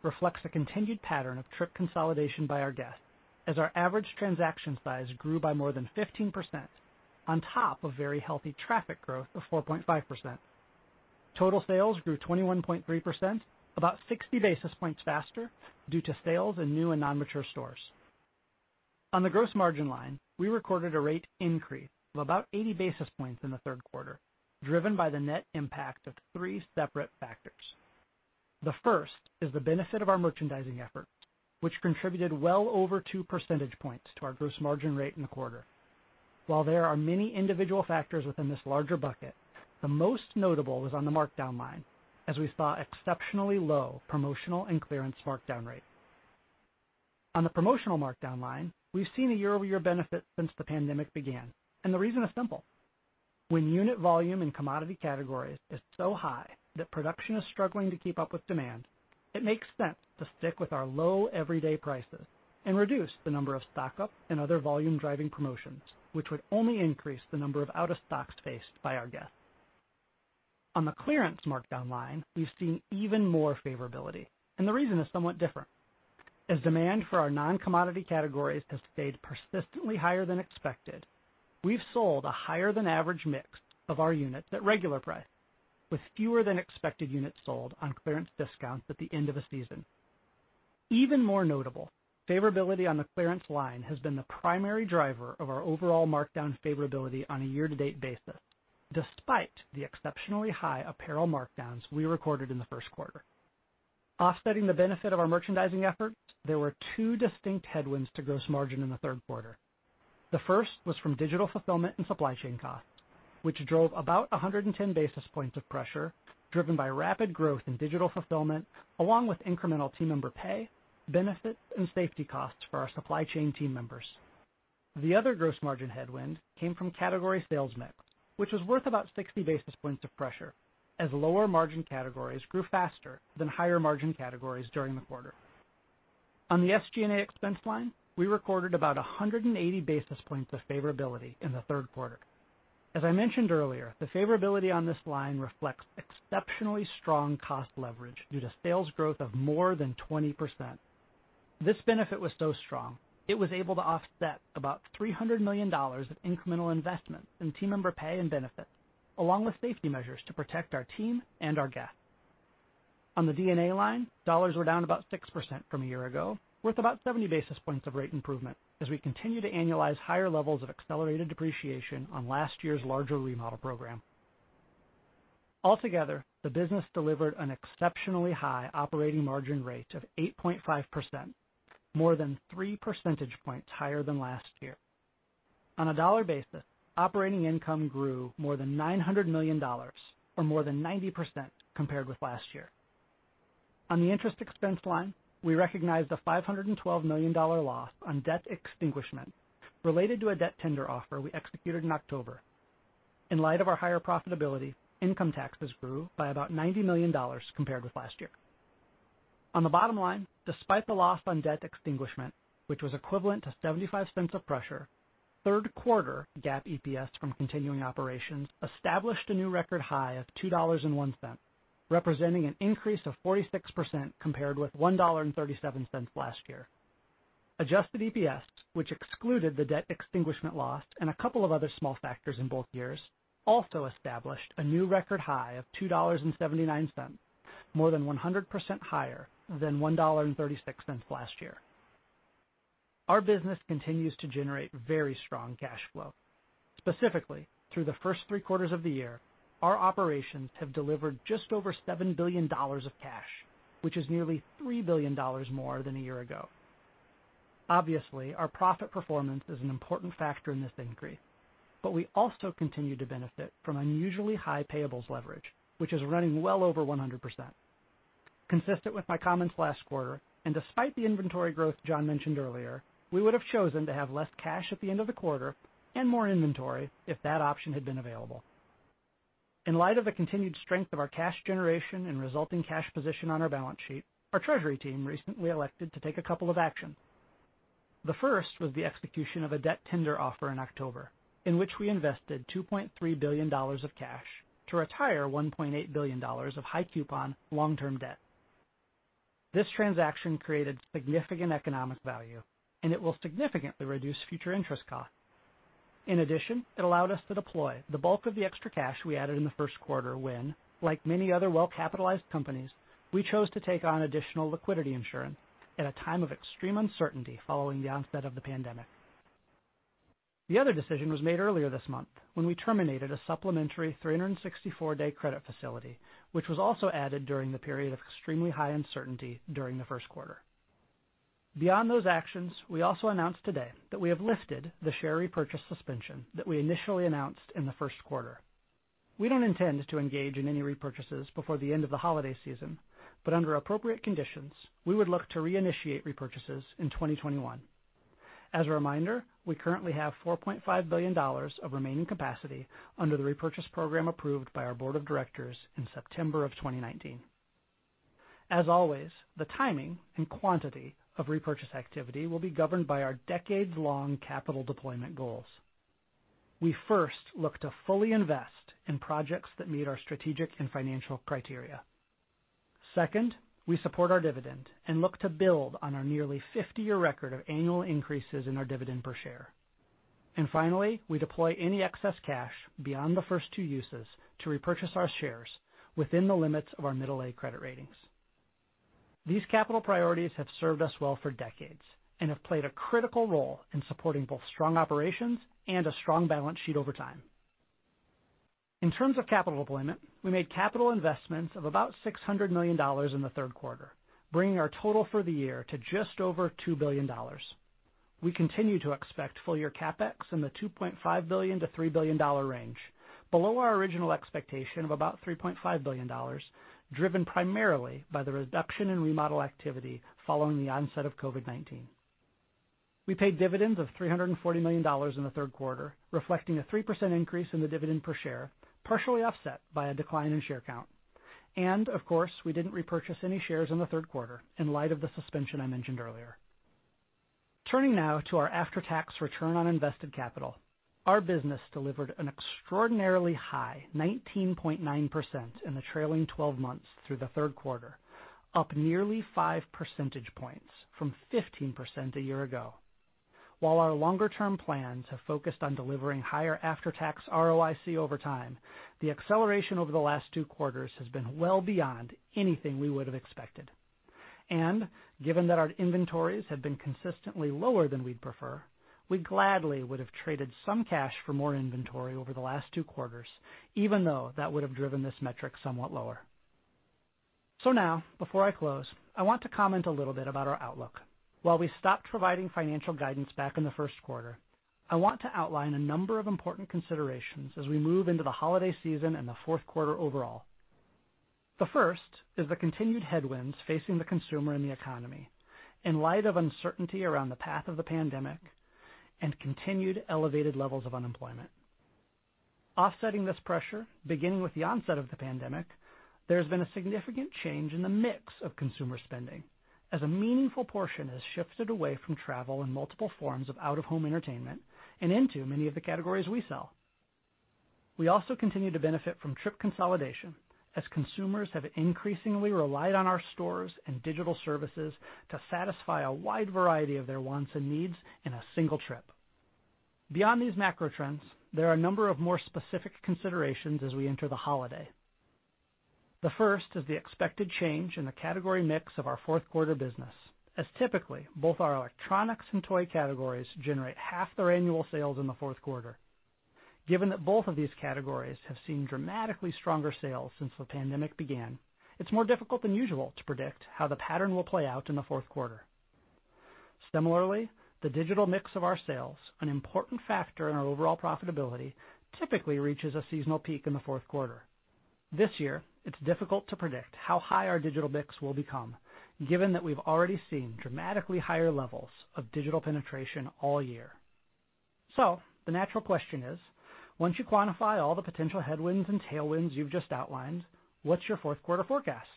reflects a continued pattern of trip consolidation by our guests, as our average transaction size grew by more than 15% on top of very healthy traffic growth of 4.5%. Total sales grew 21.3%, about 60 basis points faster due to sales in new and non-mature stores. On the gross margin line, we recorded a rate increase of about 80 basis points in the Q3, driven by the net impact of three separate factors. The first is the benefit of our merchandising effort, which contributed well over two percentage points to our gross margin rate in the quarter. While there are many individual factors within this larger bucket, the most notable was on the markdown line, as we saw exceptionally low promotional and clearance markdown rate. On the promotional markdown line, we've seen a year-over-year benefit since the pandemic began, and the reason is simple. When unit volume in commodity categories is so high that production is struggling to keep up with demand, it makes sense to stick with our low everyday prices and reduce the number of stock-up and other volume-driving promotions, which would only increase the number of out of stocks faced by our guests. On the clearance markdown line, we've seen even more favorability, and the reason is somewhat different. As demand for our non-commodity categories has stayed persistently higher than expected, we've sold a higher than average mix of our units at regular price with fewer than expected units sold on clearance discounts at the end of a season. Even more notable, favorability on the clearance line has been the primary driver of our overall markdown favorability on a year-to-date basis, despite the exceptionally high apparel markdowns we recorded in the Q1. Offsetting the benefit of our merchandising efforts, there were two distinct headwinds to gross margin in the Q3. The first was from digital fulfillment and supply chain costs, which drove about 110 basis points of pressure driven by rapid growth in digital fulfillment, along with incremental team member pay, benefits, and safety costs for our supply chain team members. The other gross margin headwind came from category sales mix, which was worth about 60 basis points of pressure as lower margin categories grew faster than higher margin categories during the quarter. On the SG&A expense line, we recorded about 180 basis points of favorability in the Q3. As I mentioned earlier, the favorability on this line reflects exceptionally strong cost leverage due to sales growth of more than 20%. This benefit was so strong it was able to offset about $300 million of incremental investments in team member pay and benefits, along with safety measures to protect our team and our guests. On the D&A line, dollars were down about six percent from a year ago, worth about 70 basis points of rate improvement as we continue to annualize higher levels of accelerated depreciation on last year's larger remodel program. Altogether, the business delivered an exceptionally high operating margin rate of 8.5%, more than three percentage points higher than last year. On a dollar basis, operating income grew more than $900 million or more than 90% compared with last year. On the interest expense line, we recognized a $512 million loss on debt extinguishment related to a debt tender offer we executed in October. In light of our higher profitability, income taxes grew by about $90 million compared with last year. On the bottom line, despite the loss on debt extinguishment, which was equivalent to $0.75 of pressure, Q3 GAAP EPS from continuing operations established a new record high of $2.01, representing an increase of 46% compared with $1.37 last year. Adjusted EPS, which excluded the debt extinguishment loss and a couple of other small factors in both years, also established a new record high of $2.79, more than 100% higher than $1.36 last year. Our business continues to generate very strong cash flow. Specifically, through the first Q3 of the year, our operations have delivered just over $7 billion of cash, which is nearly $3 billion more than a year ago. Our profit performance is an important factor in this increase, but we also continue to benefit from unusually high payables leverage, which is running well over 100%. Consistent with my comments last quarter, and despite the inventory growth John mentioned earlier, we would have chosen to have less cash at the end of the quarter and more inventory if that option had been available. In light of the continued strength of our cash generation and resulting cash position on our balance sheet, our treasury team recently elected to take a couple of actions. The first was the execution of a debt tender offer in October, in which we invested $2.3 billion of cash to retire $1.8 billion of high coupon long-term debt. This transaction created significant economic value, and it will significantly reduce future interest costs. In addition, it allowed us to deploy the bulk of the extra cash we added in the Q1 when, like many other well-capitalized companies, we chose to take on additional liquidity insurance at a time of extreme uncertainty following the onset of the pandemic. The other decision was made earlier this month when we terminated a supplementary 364-day credit facility, which was also added during the period of extremely high uncertainty during the Q1. Beyond those actions, we also announced today that we have lifted the share repurchase suspension that we initially announced in the Q1. We don't intend to engage in any repurchases before the end of the holiday season, but under appropriate conditions, we would look to reinitiate repurchases in 2021. As a reminder, we currently have $4.5 billion of remaining capacity under the repurchase program approved by our board of directors in September of 2019. As always, the timing and quantity of repurchase activity will be governed by our decades-long capital deployment goals. We first look to fully invest in projects that meet our strategic and financial criteria. Second, we support our dividend and look to build on our nearly 50-year record of annual increases in our dividend per share. Finally, we deploy any excess cash beyond the first two uses to repurchase our shares within the limits of our middle A credit ratings. These capital priorities have served us well for decades and have played a critical role in supporting both strong operations and a strong balance sheet over time. In terms of capital deployment, we made capital investments of about $600 million in the Q3, bringing our total for the year to just over $2 billion. We continue to expect full-year CapEx in the $2.5 billion-$3 billion range, below our original expectation of about $3.5 billion, driven primarily by the reduction in remodel activity following the onset of COVID-19. We paid dividends of $340 million in the third quarter, reflecting a three percent increase in the dividend per share, partially offset by a decline in share count. Of course, we didn't repurchase any shares in the Q3 in light of the suspension I mentioned earlier. Turning now to our after-tax return on invested capital, our business delivered an extraordinarily high 19.9% in the trailing 12 months through the Q3, up nearly five percentage points from 15% a year ago. While our longer-term plans have focused on delivering higher after-tax ROIC over time, the acceleration over the last Q2 has been well beyond anything we would've expected. Given that our inventories have been consistently lower than we'd prefer, we gladly would've traded some cash for more inventory over the last Q2, even though that would've driven this metric somewhat lower. Now, before I close, I want to comment a little bit about our outlook. While we stopped providing financial guidance back in the Q1, I want to outline a number of important considerations as we move into the holiday season and the Q4 overall. The first is the continued headwinds facing the consumer and the economy in light of uncertainty around the path of the pandemic and continued elevated levels of unemployment. Offsetting this pressure, beginning with the onset of the pandemic, there has been a significant change in the mix of consumer spending as a meaningful portion has shifted away from travel and multiple forms of out-of-home entertainment and into many of the categories we sell. We also continue to benefit from trip consolidation as consumers have increasingly relied on our stores and digital services to satisfy a wide variety of their wants and needs in a single trip. Beyond these macro trends, there are a number of more specific considerations as we enter the holiday. The first is the expected change in the category mix of our fourth quarter business, as typically, both our electronics and toy categories generate half their annual sales in the Q4. Given that both of these categories have seen dramatically stronger sales since the pandemic began, it's more difficult than usual to predict how the pattern will play out in the Q4. Similarly, the digital mix of our sales, an important factor in our overall profitability, typically reaches a seasonal peak in the Q4. This year, it's difficult to predict how high our digital mix will become, given that we've already seen dramatically higher levels of digital penetration all year. The natural question is: Once you quantify all the potential headwinds and tailwinds you've just outlined, what's your Q4 forecast?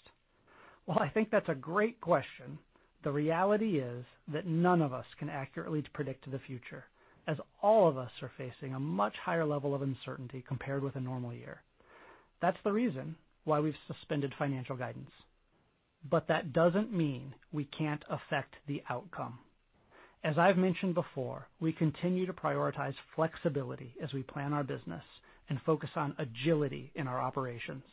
I think that's a great question. The reality is that none of us can accurately predict the future, as all of us are facing a much higher level of uncertainty compared with a normal year. That's the reason why we've suspended financial guidance. That doesn't mean we can't affect the outcome. As I've mentioned before, we continue to prioritize flexibility as we plan our business and focus on agility in our operations.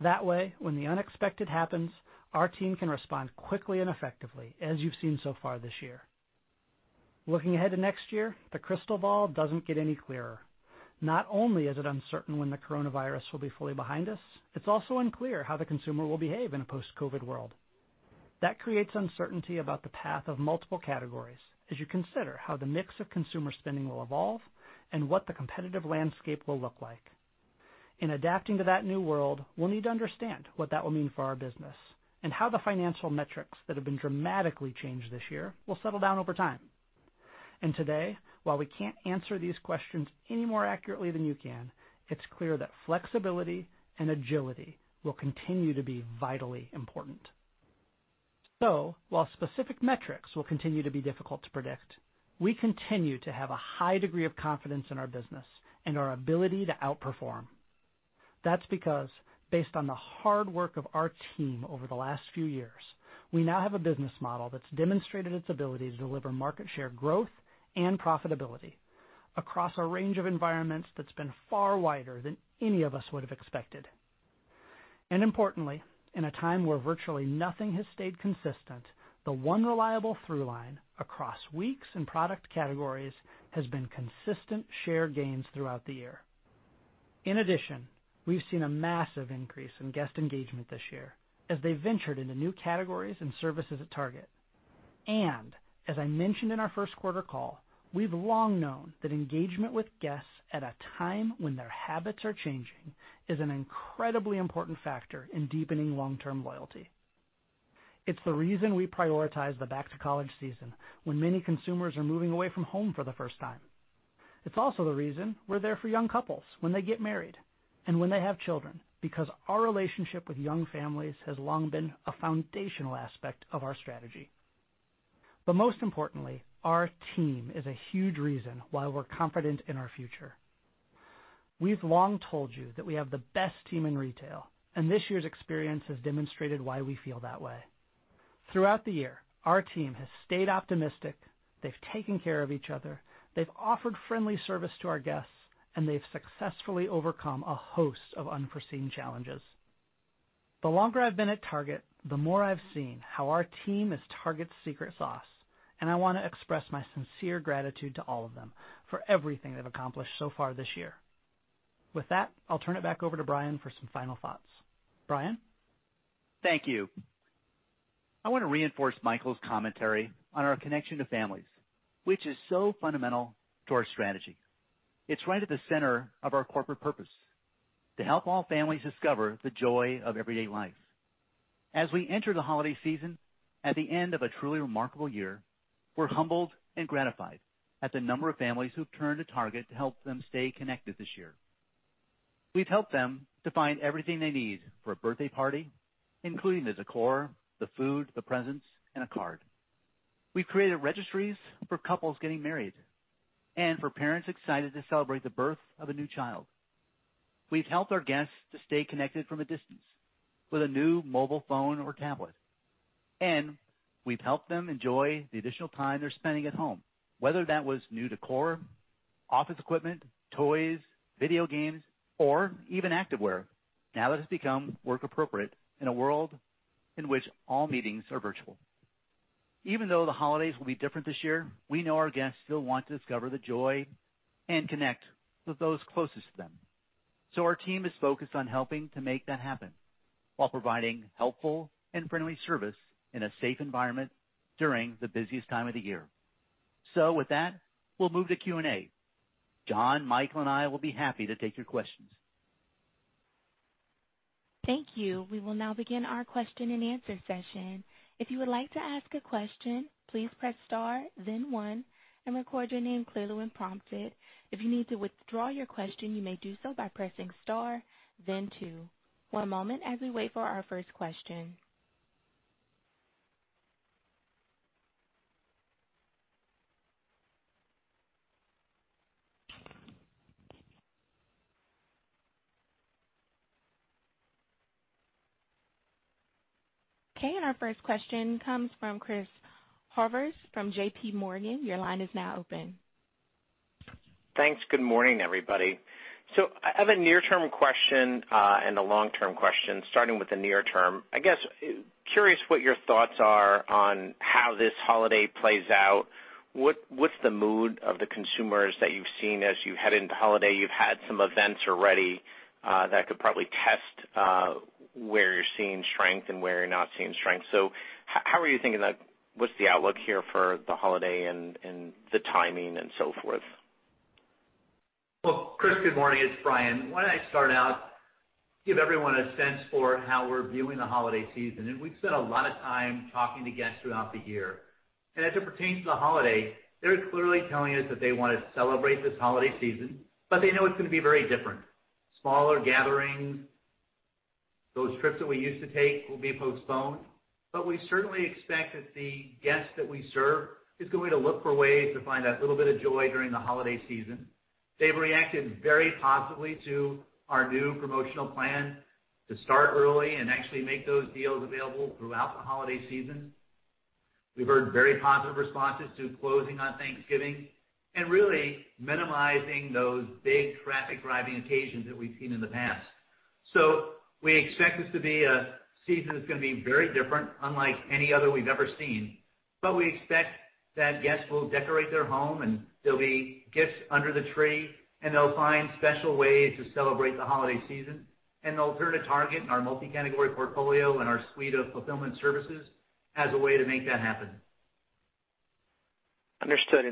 That way, when the unexpected happens, our team can respond quickly and effectively, as you've seen so far this year. Looking ahead to next year, the crystal ball doesn't get any clearer. Not only is it uncertain when the COVID-19 will be fully behind us, it's also unclear how the consumer will behave in a post-COVID world. That creates uncertainty about the path of multiple categories as you consider how the mix of consumer spending will evolve and what the competitive landscape will look like. In adapting to that new world, we'll need to understand what that will mean for our business and how the financial metrics that have been dramatically changed this year will settle down over time. Today, while we can't answer these questions any more accurately than you can, it's clear that flexibility and agility will continue to be vitally important. While specific metrics will continue to be difficult to predict, we continue to have a high degree of confidence in our business and our ability to outperform. That's because based on the hard work of our team over the last few years, we now have a business model that's demonstrated its ability to deliver market share growth and profitability across a range of environments that's been far wider than any of us would've expected. Importantly, in a time where virtually nothing has stayed consistent, the one reliable through line across weeks and product categories has been consistent share gains throughout the year. In addition, we've seen a massive increase in guest engagement this year as they ventured into new categories and services at Target. As I mentioned in our Q1 call, we've long known that engagement with guests at a time when their habits are changing is an incredibly important factor in deepening long-term loyalty. It's the reason we prioritize the back-to-college season when many consumers are moving away from home for the first time. It's also the reason we're there for young couples when they get married and when they have children, because our relationship with young families has long been a foundational aspect of our strategy. Most importantly, our team is a huge reason why we're confident in our future. We've long told you that we have the best team in retail, and this year's experience has demonstrated why we feel that way. Throughout the year, our team has stayed optimistic, they've taken care of each other, they've offered friendly service to our guests, and they've successfully overcome a host of unforeseen challenges. The longer I've been at Target, the more I've seen how our team is Target's secret sauce, and I want to express my sincere gratitude to all of them for everything they've accomplished so far this year. With that, I'll turn it back over to Brian for some final thoughts. Brian? Thank you. I want to reinforce Michael's commentary on our connection to families, which is so fundamental to our strategy. It's right at the center of our corporate purpose: to help all families discover the joy of everyday life. As we enter the holiday season at the end of a truly remarkable year, we're humbled and gratified at the number of families who've turned to Target to help them stay connected this year. We've helped them to find everything they need for a birthday party, including the decor, the food, the presents, and a card. We've created registries for couples getting married and for parents excited to celebrate the birth of a new child. We've helped our guests to stay connected from a distance with a new mobile phone or tablet, and we've helped them enjoy the additional time they're spending at home, whether that was new decor, office equipment, toys, video games, or even activewear, now that it's become work appropriate in a world in which all meetings are virtual. Even though the holidays will be different this year, we know our guests still want to discover the joy and connect with those closest to them. Our team is focused on helping to make that happen while providing helpful and friendly service in a safe environment during the busiest time of the year. With that, we'll move to Q&A. John, Michael, and I will be happy to take your questions. Thank you. We will now begin our question-and-answer session. If you would like to ask a question, please press star then one and record your name clearly when prompted. If you need to withdraw your question, you may do so by pressing star then two. One moment as we wait for our first question. Okay, our first question comes from Chris Horvers from JPMorgan. Your line is now open. Thanks. Good morning, everybody. I have a near-term question and a long-term question, starting with the near term. I guess, curious what your thoughts are on how this holiday plays out. What's the mood of the consumers that you've seen as you head into holiday? You've had some events already that could probably test where you're seeing strength and where you're not seeing strength. How are you thinking about what's the outlook here for the holiday and the timing and so forth? Well, Chris, good morning. It's Brian. Why don't I start out, give everyone a sense for how we're viewing the holiday season. We've spent a lot of time talking to guests throughout the year. As it pertains to the holiday, they're clearly telling us that they want to celebrate this holiday season, but they know it's going to be very different. Smaller gatherings. Those trips that we used to take will be postponed. We certainly expect that the guests that we serve is going to look for ways to find that little bit of joy during the holiday season. They've reacted very positively to our new promotional plan to start early and actually make those deals available throughout the holiday season. We've heard very positive responses to closing on Thanksgiving and really minimizing those big traffic-driving occasions that we've seen in the past. We expect this to be a season that's going to be very different, unlike any other we've ever seen. We expect that guests will decorate their home, and there'll be gifts under the tree, and they'll find special ways to celebrate the holiday season. They'll turn to Target and our multi-category portfolio and our suite of fulfillment services as a way to make that happen. Understood.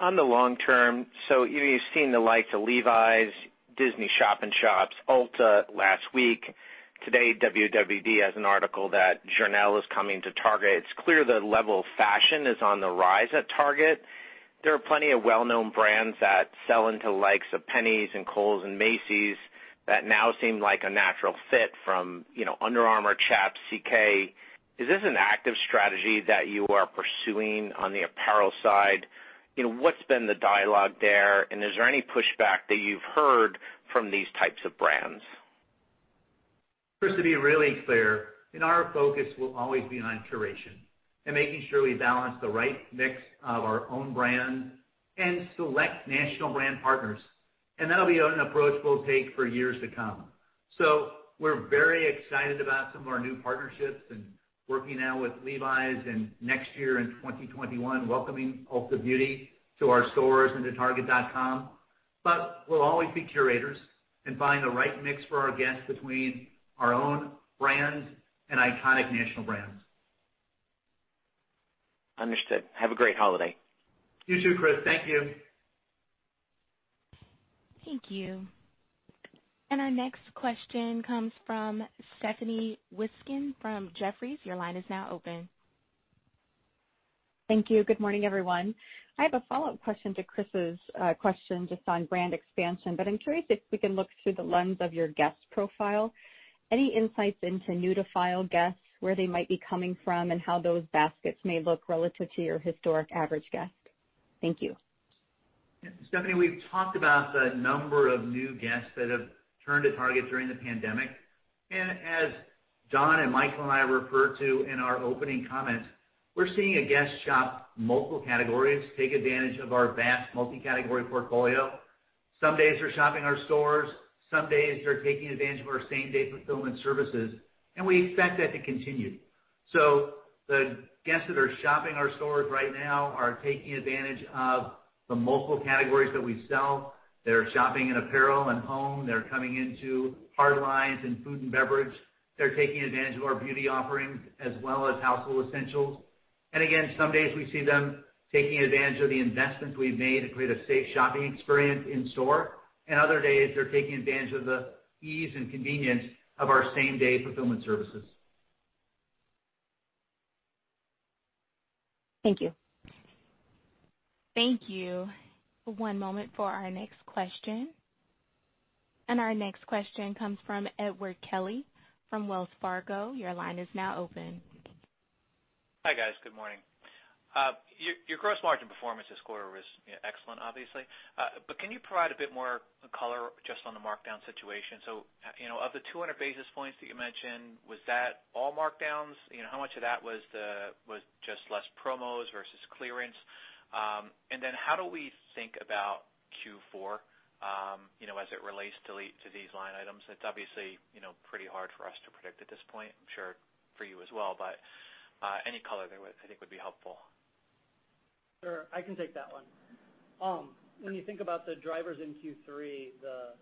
On the long term, you've seen the likes of Levi's, Disney Shop-in-Shops, Ulta last week. Today, WWD has an article that Journelle is coming to Target. It's clear the level of fashion is on the rise at Target. There are plenty of well-known brands that sell into likes of Penneys and Kohl's and Macy's that now seem like a natural fit from Under Armour, Chaps, CK. Is this an active strategy that you are pursuing on the apparel side? What's been the dialogue there, and is there any pushback that you've heard from these types of brands? Chris, to be really clear, our focus will always be on curation and making sure we balance the right mix of our own brand and select national brand partners. That'll be an approach we'll take for years to come. We're very excited about some of our new partnerships and working now with Levi's and next year in 2021, welcoming Ulta Beauty to our stores and to target.com. We'll always be curators and find the right mix for our guests between our own brand and iconic national brands. Understood. Have a great holiday. You too, Chris. Thank you. Thank you. Our next question comes from Stephanie Wissink from Jefferies. Your line is now open. Thank you. Good morning, everyone. I have a follow-up question to Chris's question just on brand expansion. I'm curious if we can look through the lens of your guest profile. Any insights into new-to-file guests, where they might be coming from, and how those baskets may look relative to your historic average guest? Thank you. Stephanie, we've talked about the number of new guests that have turned to Target during the pandemic. As John and Michael and I referred to in our opening comments, we're seeing a guest shop multiple categories, take advantage of our vast multi-category portfolio. Some days they're shopping our stores, some days they're taking advantage of our same-day fulfillment services, and we expect that to continue. The guests that are shopping our stores right now are taking advantage of the multiple categories that we sell. They're shopping in apparel and home. They're coming into hard lines and food and beverage. They're taking advantage of our beauty offerings as well as household essentials. Again, some days we see them taking advantage of the investments we've made to create a safe shopping experience in store. Other days, they're taking advantage of the ease and convenience of our same-day fulfillment services. Thank you. Thank you. One moment for our next question. Our next question comes from Edward Kelly from Wells Fargo. Your line is now open. Hi, guys. Good morning. Your gross margin performance this quarter was excellent, obviously. Can you provide a bit more color just on the markdown situation? Of the 200 basis points that you mentioned, was that all markdowns? How much of that was just less promos versus clearance? How do we think about Q4 as it relates to these line items? It's obviously pretty hard for us to predict at this point, I'm sure for you as well, any color there I think would be helpful. Sure. I can take that one. When you think about the drivers in Q3, the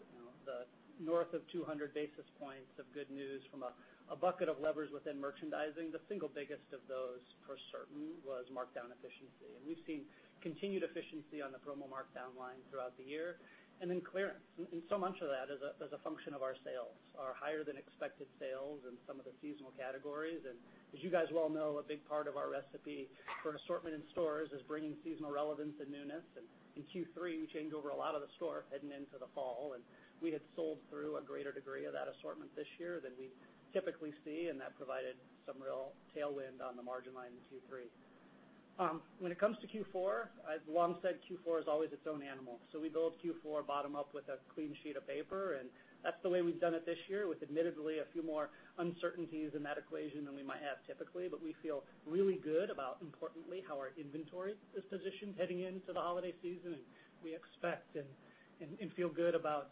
north of 200 basis points of good news from a bucket of levers within merchandising, the single biggest of those, for certain, was markdown efficiency. We've seen continued efficiency on the promo markdown line throughout the year, and then clearance. So much of that is a function of our sales. Our higher than expected sales in some of the seasonal categories. As you guys well know, a big part of our recipe for an assortment in stores is bringing seasonal relevance and newness. In Q3, we changed over a lot of the store heading into the fall, and we had sold through a greater degree of that assortment this year than we typically see, and that provided some real tailwind on the margin line in Q3. When it comes to Q4, I've long said Q4 is always its own animal. We build Q4 bottom up with a clean sheet of paper, and that's the way we've done it this year, with admittedly a few more uncertainties in that equation than we might have typically. We feel really good about, importantly, how our inventory is positioned heading into the holiday season. We expect and feel good about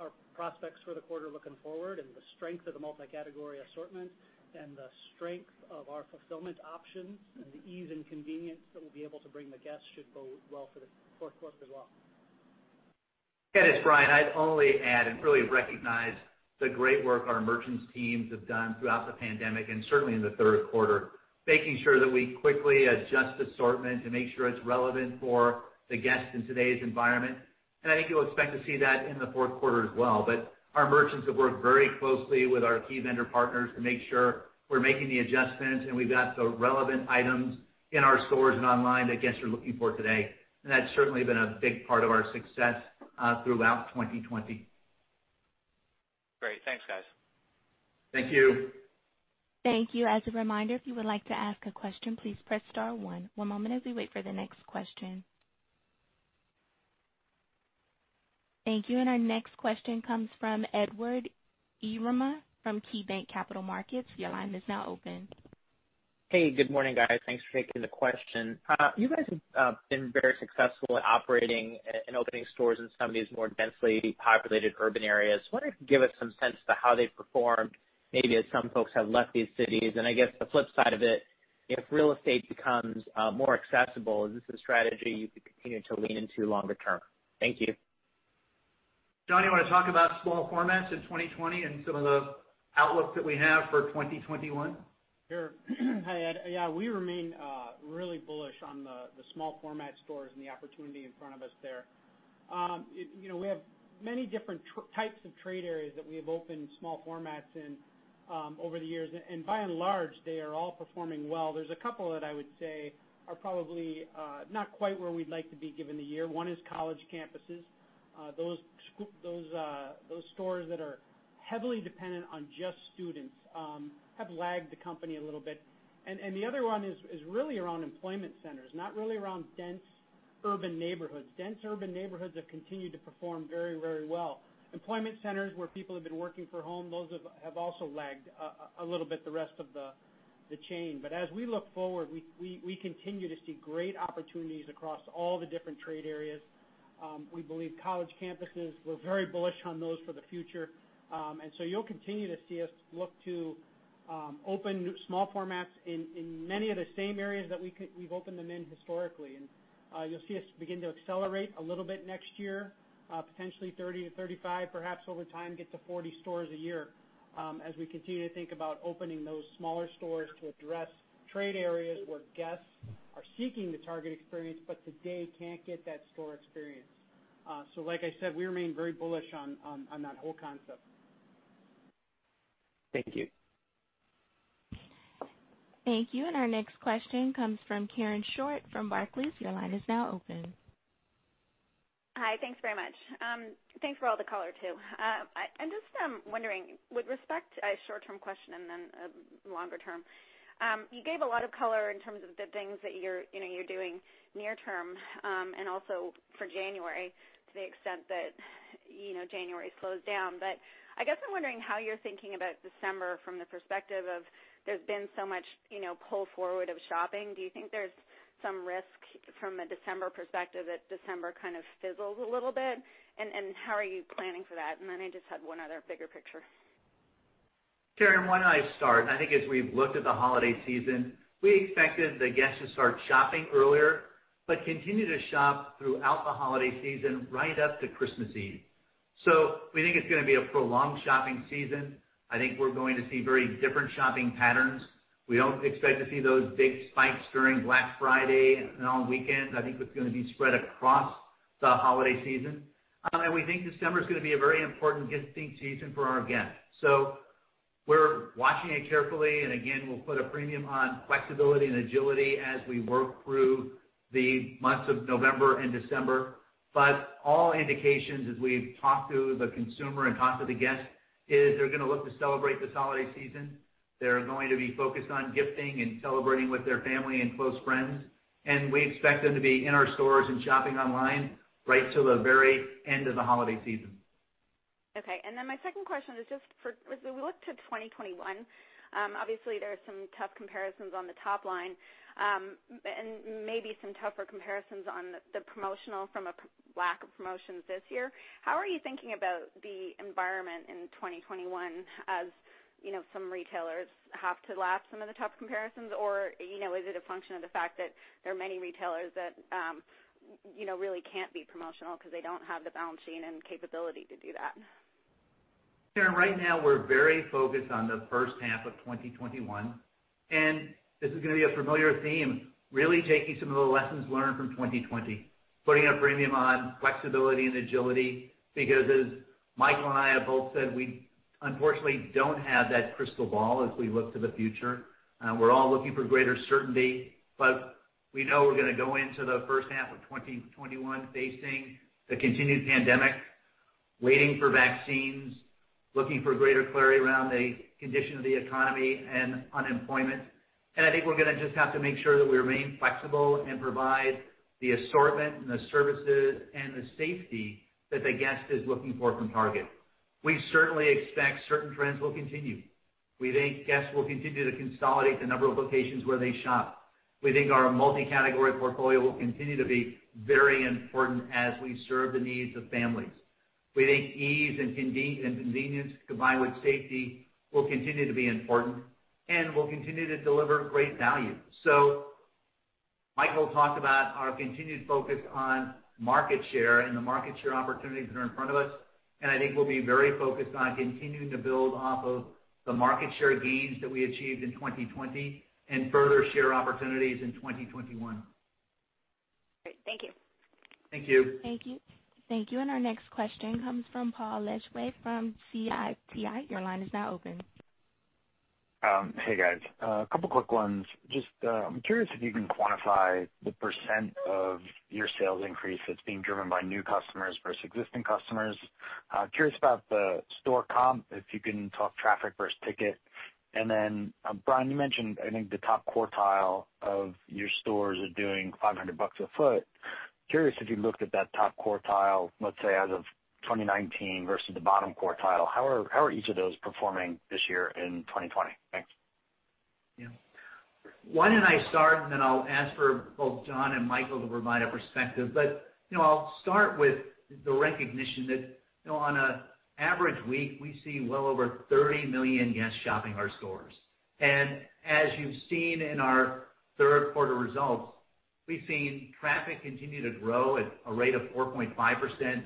our prospects for the quarter looking forward and the strength of the multi-category assortment and the strength of our fulfillment options and the ease and convenience that we'll be able to bring the guests should bode well for the Q4 as well. Yeah, this is Brian. I'd only add and really recognize the great work our merchants teams have done throughout the pandemic, and certainly in the Q3, making sure that we quickly adjust assortment to make sure it's relevant for the guests in today's environment. I think you'll expect to see that in the Q4 as well. Our merchants have worked very closely with our key vendor partners to make sure we're making the adjustments and we've got the relevant items in our stores and online that guests are looking for today. That's certainly been a big part of our success throughout 2020. Great. Thanks, guys. Thank you. Our next question comes from Edward Yruma from KeyBanc Capital Markets. Hey, good morning, guys. Thanks for taking the question. You guys have been very successful at operating and opening stores in some of these more densely populated urban areas. I was wondering if you could give us some sense to how they've performed, maybe as some folks have left these cities. I guess the flip side of it, if real estate becomes more accessible, is this a strategy you could continue to lean into longer term? Thank you. John, you want to talk about small formats in 2020 and some of the outlook that we have for 2021? Sure. Hi, Ed. Yeah, we remain really bullish on the small format stores and the opportunity in front of us there. We have many different types of trade areas that we have opened small formats in over the years. By and large, they are all performing well. There's a couple that I would say are probably not quite where we'd like to be given the year. One is college campuses. Those stores that are heavily dependent on just students have lagged the company a little bit. The other one is really around employment centers, not really around dense urban neighborhoods. Dense urban neighborhoods have continued to perform very well. Employment centers where people have been working for home, those have also lagged a little bit the rest of the chain. As we look forward, we continue to see great opportunities across all the different trade areas. We believe college campuses, we're very bullish on those for the future. You'll continue to see us look to open small formats in many of the same areas that we've opened them in historically. You'll see us begin to accelerate a little bit next year, potentially 30-35, perhaps over time, get to 40 stores a year as we continue to think about opening those smaller stores to address trade areas where guests are seeking the Target experience, but today can't get that store experience. Like I said, we remain very bullish on that whole concept. Thank you. Thank you. Our next question comes from Karen Short from Barclays. Your line is now open. Hi. Thanks very much. Thanks for all the color, too. I'm just wondering, with respect, a short-term question and then a longer-term. You gave a lot of color in terms of the things that you're doing near term, and also for January, to the extent that January slows down. I guess I'm wondering how you're thinking about December from the perspective of, there's been so much pull forward of shopping. Do you think there's some risk from a December perspective that December kind of fizzles a little bit? How are you planning for that? I just had one other bigger picture. Karen, why don't I start? I think as we've looked at the holiday season, we expected the guests to start shopping earlier, but continue to shop throughout the holiday season right up to Christmas Eve. We think it's going to be a prolonged shopping season. I think we're going to see very different shopping patterns. We don't expect to see those big spikes during Black Friday and on weekends. I think it's going to be spread across the holiday season. We think December is going to be a very important gifting season for our guests. We're watching it carefully and again, we'll put a premium on flexibility and agility as we work through the months of November and December. All indications, as we've talked to the consumer and talked to the guest, is they're going to look to celebrate this holiday season. They're going to be focused on gifting and celebrating with their family and close friends, and we expect them to be in our stores and shopping online right to the very end of the holiday season. Okay. My second question is just for as we look to 2021, obviously there are some tough comparisons on the top line, and maybe some tougher comparisons on the promotional from a lack of promotions this year. How are you thinking about the environment in 2021, as some retailers have to lap some of the tough comparisons? Is it a function of the fact that there are many retailers that really can't be promotional because they don't have the balance sheet and capability to do that? Karen, right now we're very focused on the first half of 2021. This is going to be a familiar theme, really taking some of the lessons learned from 2020. Putting a premium on flexibility and agility, because as Michael and I have both said, we unfortunately don't have that crystal ball as we look to the future. We're all looking for greater certainty, but we know we're going to go into the first half of 2021 facing the continued pandemic, waiting for vaccines, looking for greater clarity around the condition of the economy and unemployment. I think we're going to just have to make sure that we remain flexible and provide the assortment and the services and the safety that the guest is looking for from Target. We certainly expect certain trends will continue. We think guests will continue to consolidate the number of locations where they shop. We think our multi-category portfolio will continue to be very important as we serve the needs of families. We think ease and convenience, combined with safety, will continue to be important, and we'll continue to deliver great value. Michael talked about our continued focus on market share and the market share opportunities that are in front of us, and I think we'll be very focused on continuing to build off of the market share gains that we achieved in 2020 and further share opportunities in 2021. Great. Thank you. Thank you. Thank you. Thank you, our next question comes from Paul Lejuez from Citi. Hey, guys. A couple quick ones. Just, I'm curious if you can quantify the percent of your sales increase that's being driven by new customers versus existing customers. Curious about the store comp, if you can talk traffic versus ticket. Then Brian, you mentioned, I think the top quartile of your stores are doing $500 a foot. Curious if you looked at that top quartile, let's say as of 2019 versus the bottom quartile. How are each of those performing this year in 2020? Thanks. Yeah. Why don't I start, and then I'll ask for both John and Michael to provide a perspective. I'll start with the recognition that on an average week, we see well over 30 million guests shopping our stores. As you've seen in our Q3 results, we've seen traffic continue to grow at a rate of 4.5%,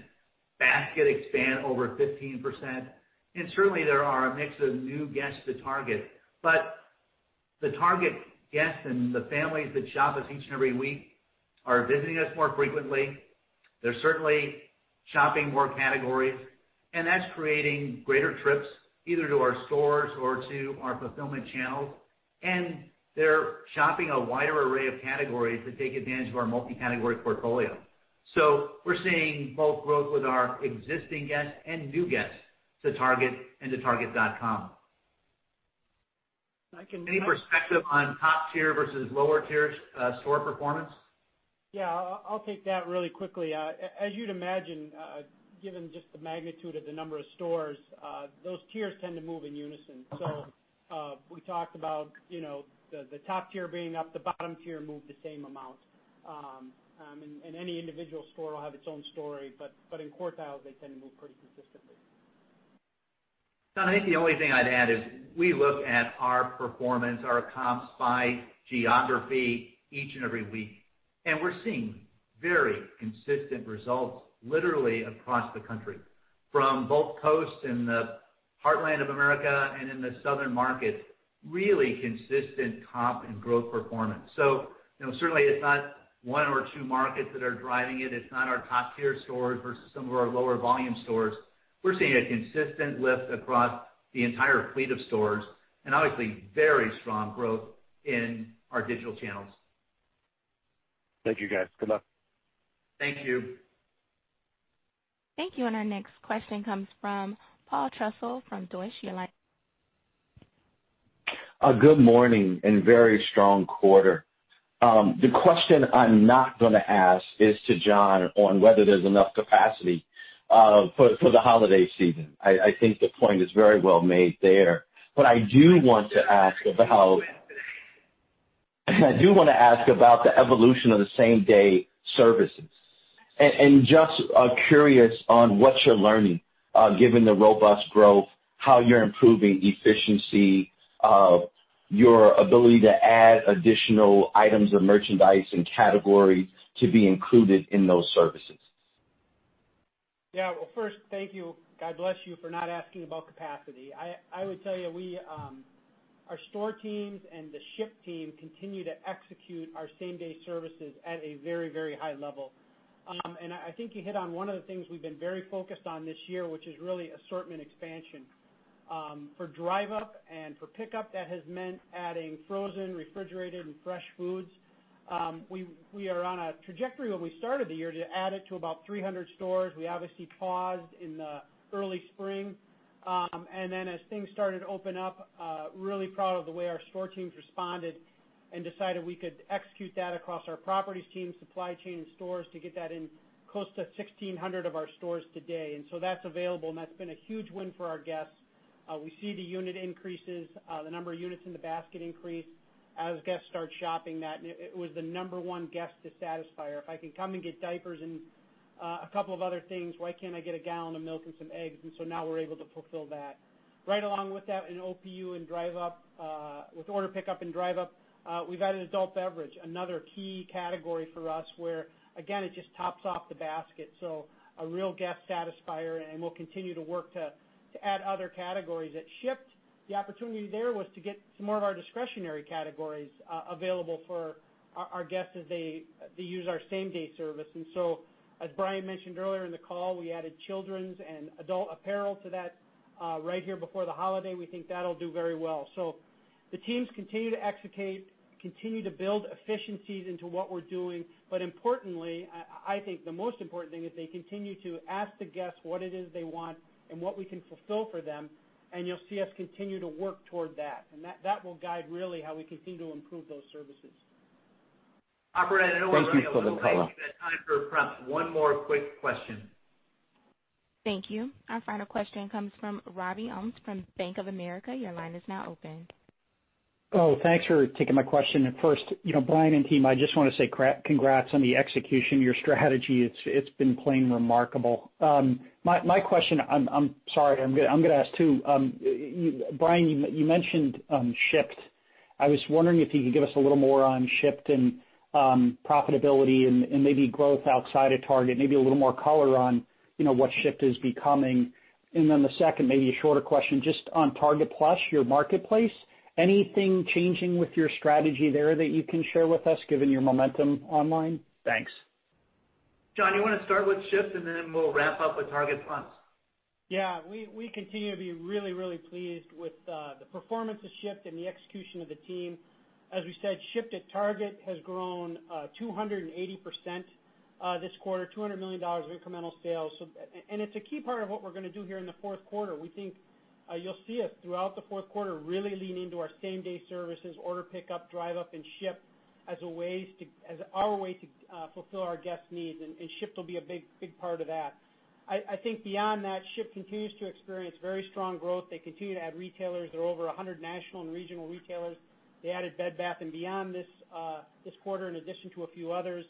basket expand over 15%, and certainly there are a mix of new guests to Target. The Target guests and the families that shop us each and every week are visiting us more frequently. They're certainly shopping more categories, and that's creating greater trips, either to our stores or to our fulfillment channels. They're shopping a wider array of categories that take advantage of our multi-category portfolio. We're seeing both growth with our existing guests and new guests to Target and to target.com. I can- Any perspective on top tier versus lower tier store performance? Yeah, I'll take that really quickly. As you'd imagine, given just the magnitude of the number of stores, those tiers tend to move in unison. We talked about the top tier being up, the bottom tier moved the same amount. Any individual store will have its own story, but in quartiles, they tend to move pretty consistently. John, I think the only thing I'd add is we look at our performance, our comps by geography each and every week, and we're seeing very consistent results literally across the country, from both coasts and the heartland of America and in the southern markets, really consistent comp and growth performance. Certainly it's not one or two markets that are driving it. It's not our top tier stores versus some of our lower volume stores. We're seeing a consistent lift across the entire fleet of stores and obviously very strong growth in our digital channels. Thank you, guys. Good luck. Thank you. Thank you. Our next question comes from Paul Trussell from Deutsche Bank. Good morning, very strong quarter. The question I'm not going to ask is to John on whether there's enough capacity for the holiday season. I think the point is very well made there. I do want to ask about the evolution of the same-day services. Just curious on what you're learning, given the robust growth, how you're improving efficiency, your ability to add additional items of merchandise and categories to be included in those services. Yeah. Well, first, thank you. God bless you for not asking about capacity. I would tell you our store teams and the Shipt team continue to execute our same-day services at a very high level. I think you hit on one of the things we've been very focused on this year, which is really assortment expansion. For Drive Up and for Pickup, that has meant adding frozen, refrigerated, and fresh foods. We are on a trajectory when we started the year to add it to about 300 stores. We obviously paused in the early spring. Then as things started to open up, really proud of the way our store teams responded and decided we could execute that across our properties teams, supply chain, and stores to get that in close to 1,600 of our stores today. That's available, and that's been a huge win for our guests. We see the unit increases, the number of units in the basket increase as guests start shopping that. It was the number one guest to satisfier. If I can come and get diapers and a couple of other things, why can't I get a gallon of milk and some eggs? Now we're able to fulfill that. Right along with that in OPU and Drive Up, with Order Pick Up and Drive Up, we've added adult beverage, another key category for us where, again, it just tops off the basket. A real guest satisfier, and we'll continue to work to add other categories. At Shipt, the opportunity there was to get some more of our discretionary categories available for our guests as they use our same-day service. As Brian mentioned earlier in the call, we added children's and adult apparel to that right here before the holiday. We think that'll do very well. The teams continue to execute, continue to build efficiencies into what we're doing. Importantly, I think the most important thing is they continue to ask the guests what it is they want and what we can fulfill for them, and you'll see us continue to work toward that. That will guide really how we continue to improve those services. Operator- Thank you for the color. I know we're out of time, but I have time for one more quick question. Thank you. Our final question comes from Robert Ohmes from Bank of America. Your line is now open. Oh, thanks for taking my question. First, Brian and team, I just want to say congrats on the execution. Your strategy, it's been playing remarkable. My question, I'm sorry, I'm going to ask two. Brian, you mentioned Shipt. I was wondering if you could give us a little more on Shipt and profitability and maybe growth outside of Target. Maybe a little more color on what Shipt is becoming. Then the second, maybe a shorter question, just on Target Plus, your marketplace. Anything changing with your strategy there that you can share with us given your momentum online? Thanks. John, you want to start with Shipt. We'll wrap up with Target Plus. Yeah. We continue to be really pleased with the performance of Shipt and the execution of the team. As we said, Shipt at Target has grown 280% this quarter, $200 million of incremental sales. It's a key part of what we're going to do here in the q4. We think you'll see us throughout the Q4 really leaning to our same-day services, Order Pick Up, Drive Up, and Shipt as our way to fulfill our guests' needs. Shipt will be a big part of that. I think beyond that, Shipt continues to experience very strong growth. They continue to add retailers. There are over 100 national and regional retailers. They added Bed Bath & Beyond this quarter, in addition to a few others.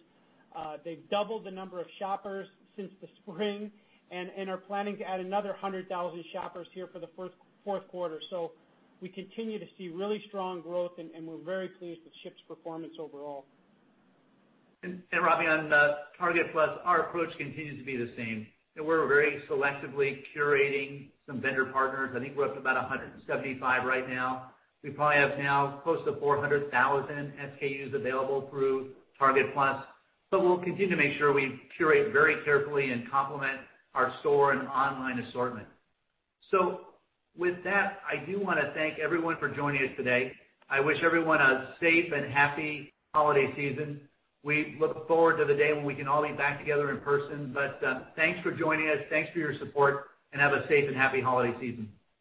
They've doubled the number of shoppers since the spring and are planning to add another 100,000 shoppers here for the Q4. We continue to see really strong growth, and we're very pleased with Shipt's performance overall. Robbie, on Target Plus, our approach continues to be the same. We're very selectively curating some vendor partners. I think we're up to about 175 right now. We probably have now close to 400,000 SKUs available through Target Plus. We'll continue to make sure we curate very carefully and complement our store and online assortment. With that, I do want to thank everyone for joining us today. I wish everyone a safe and happy holiday season. We look forward to the day when we can all be back together in person. Thanks for joining us. Thanks for your support, and have a safe and happy holiday season.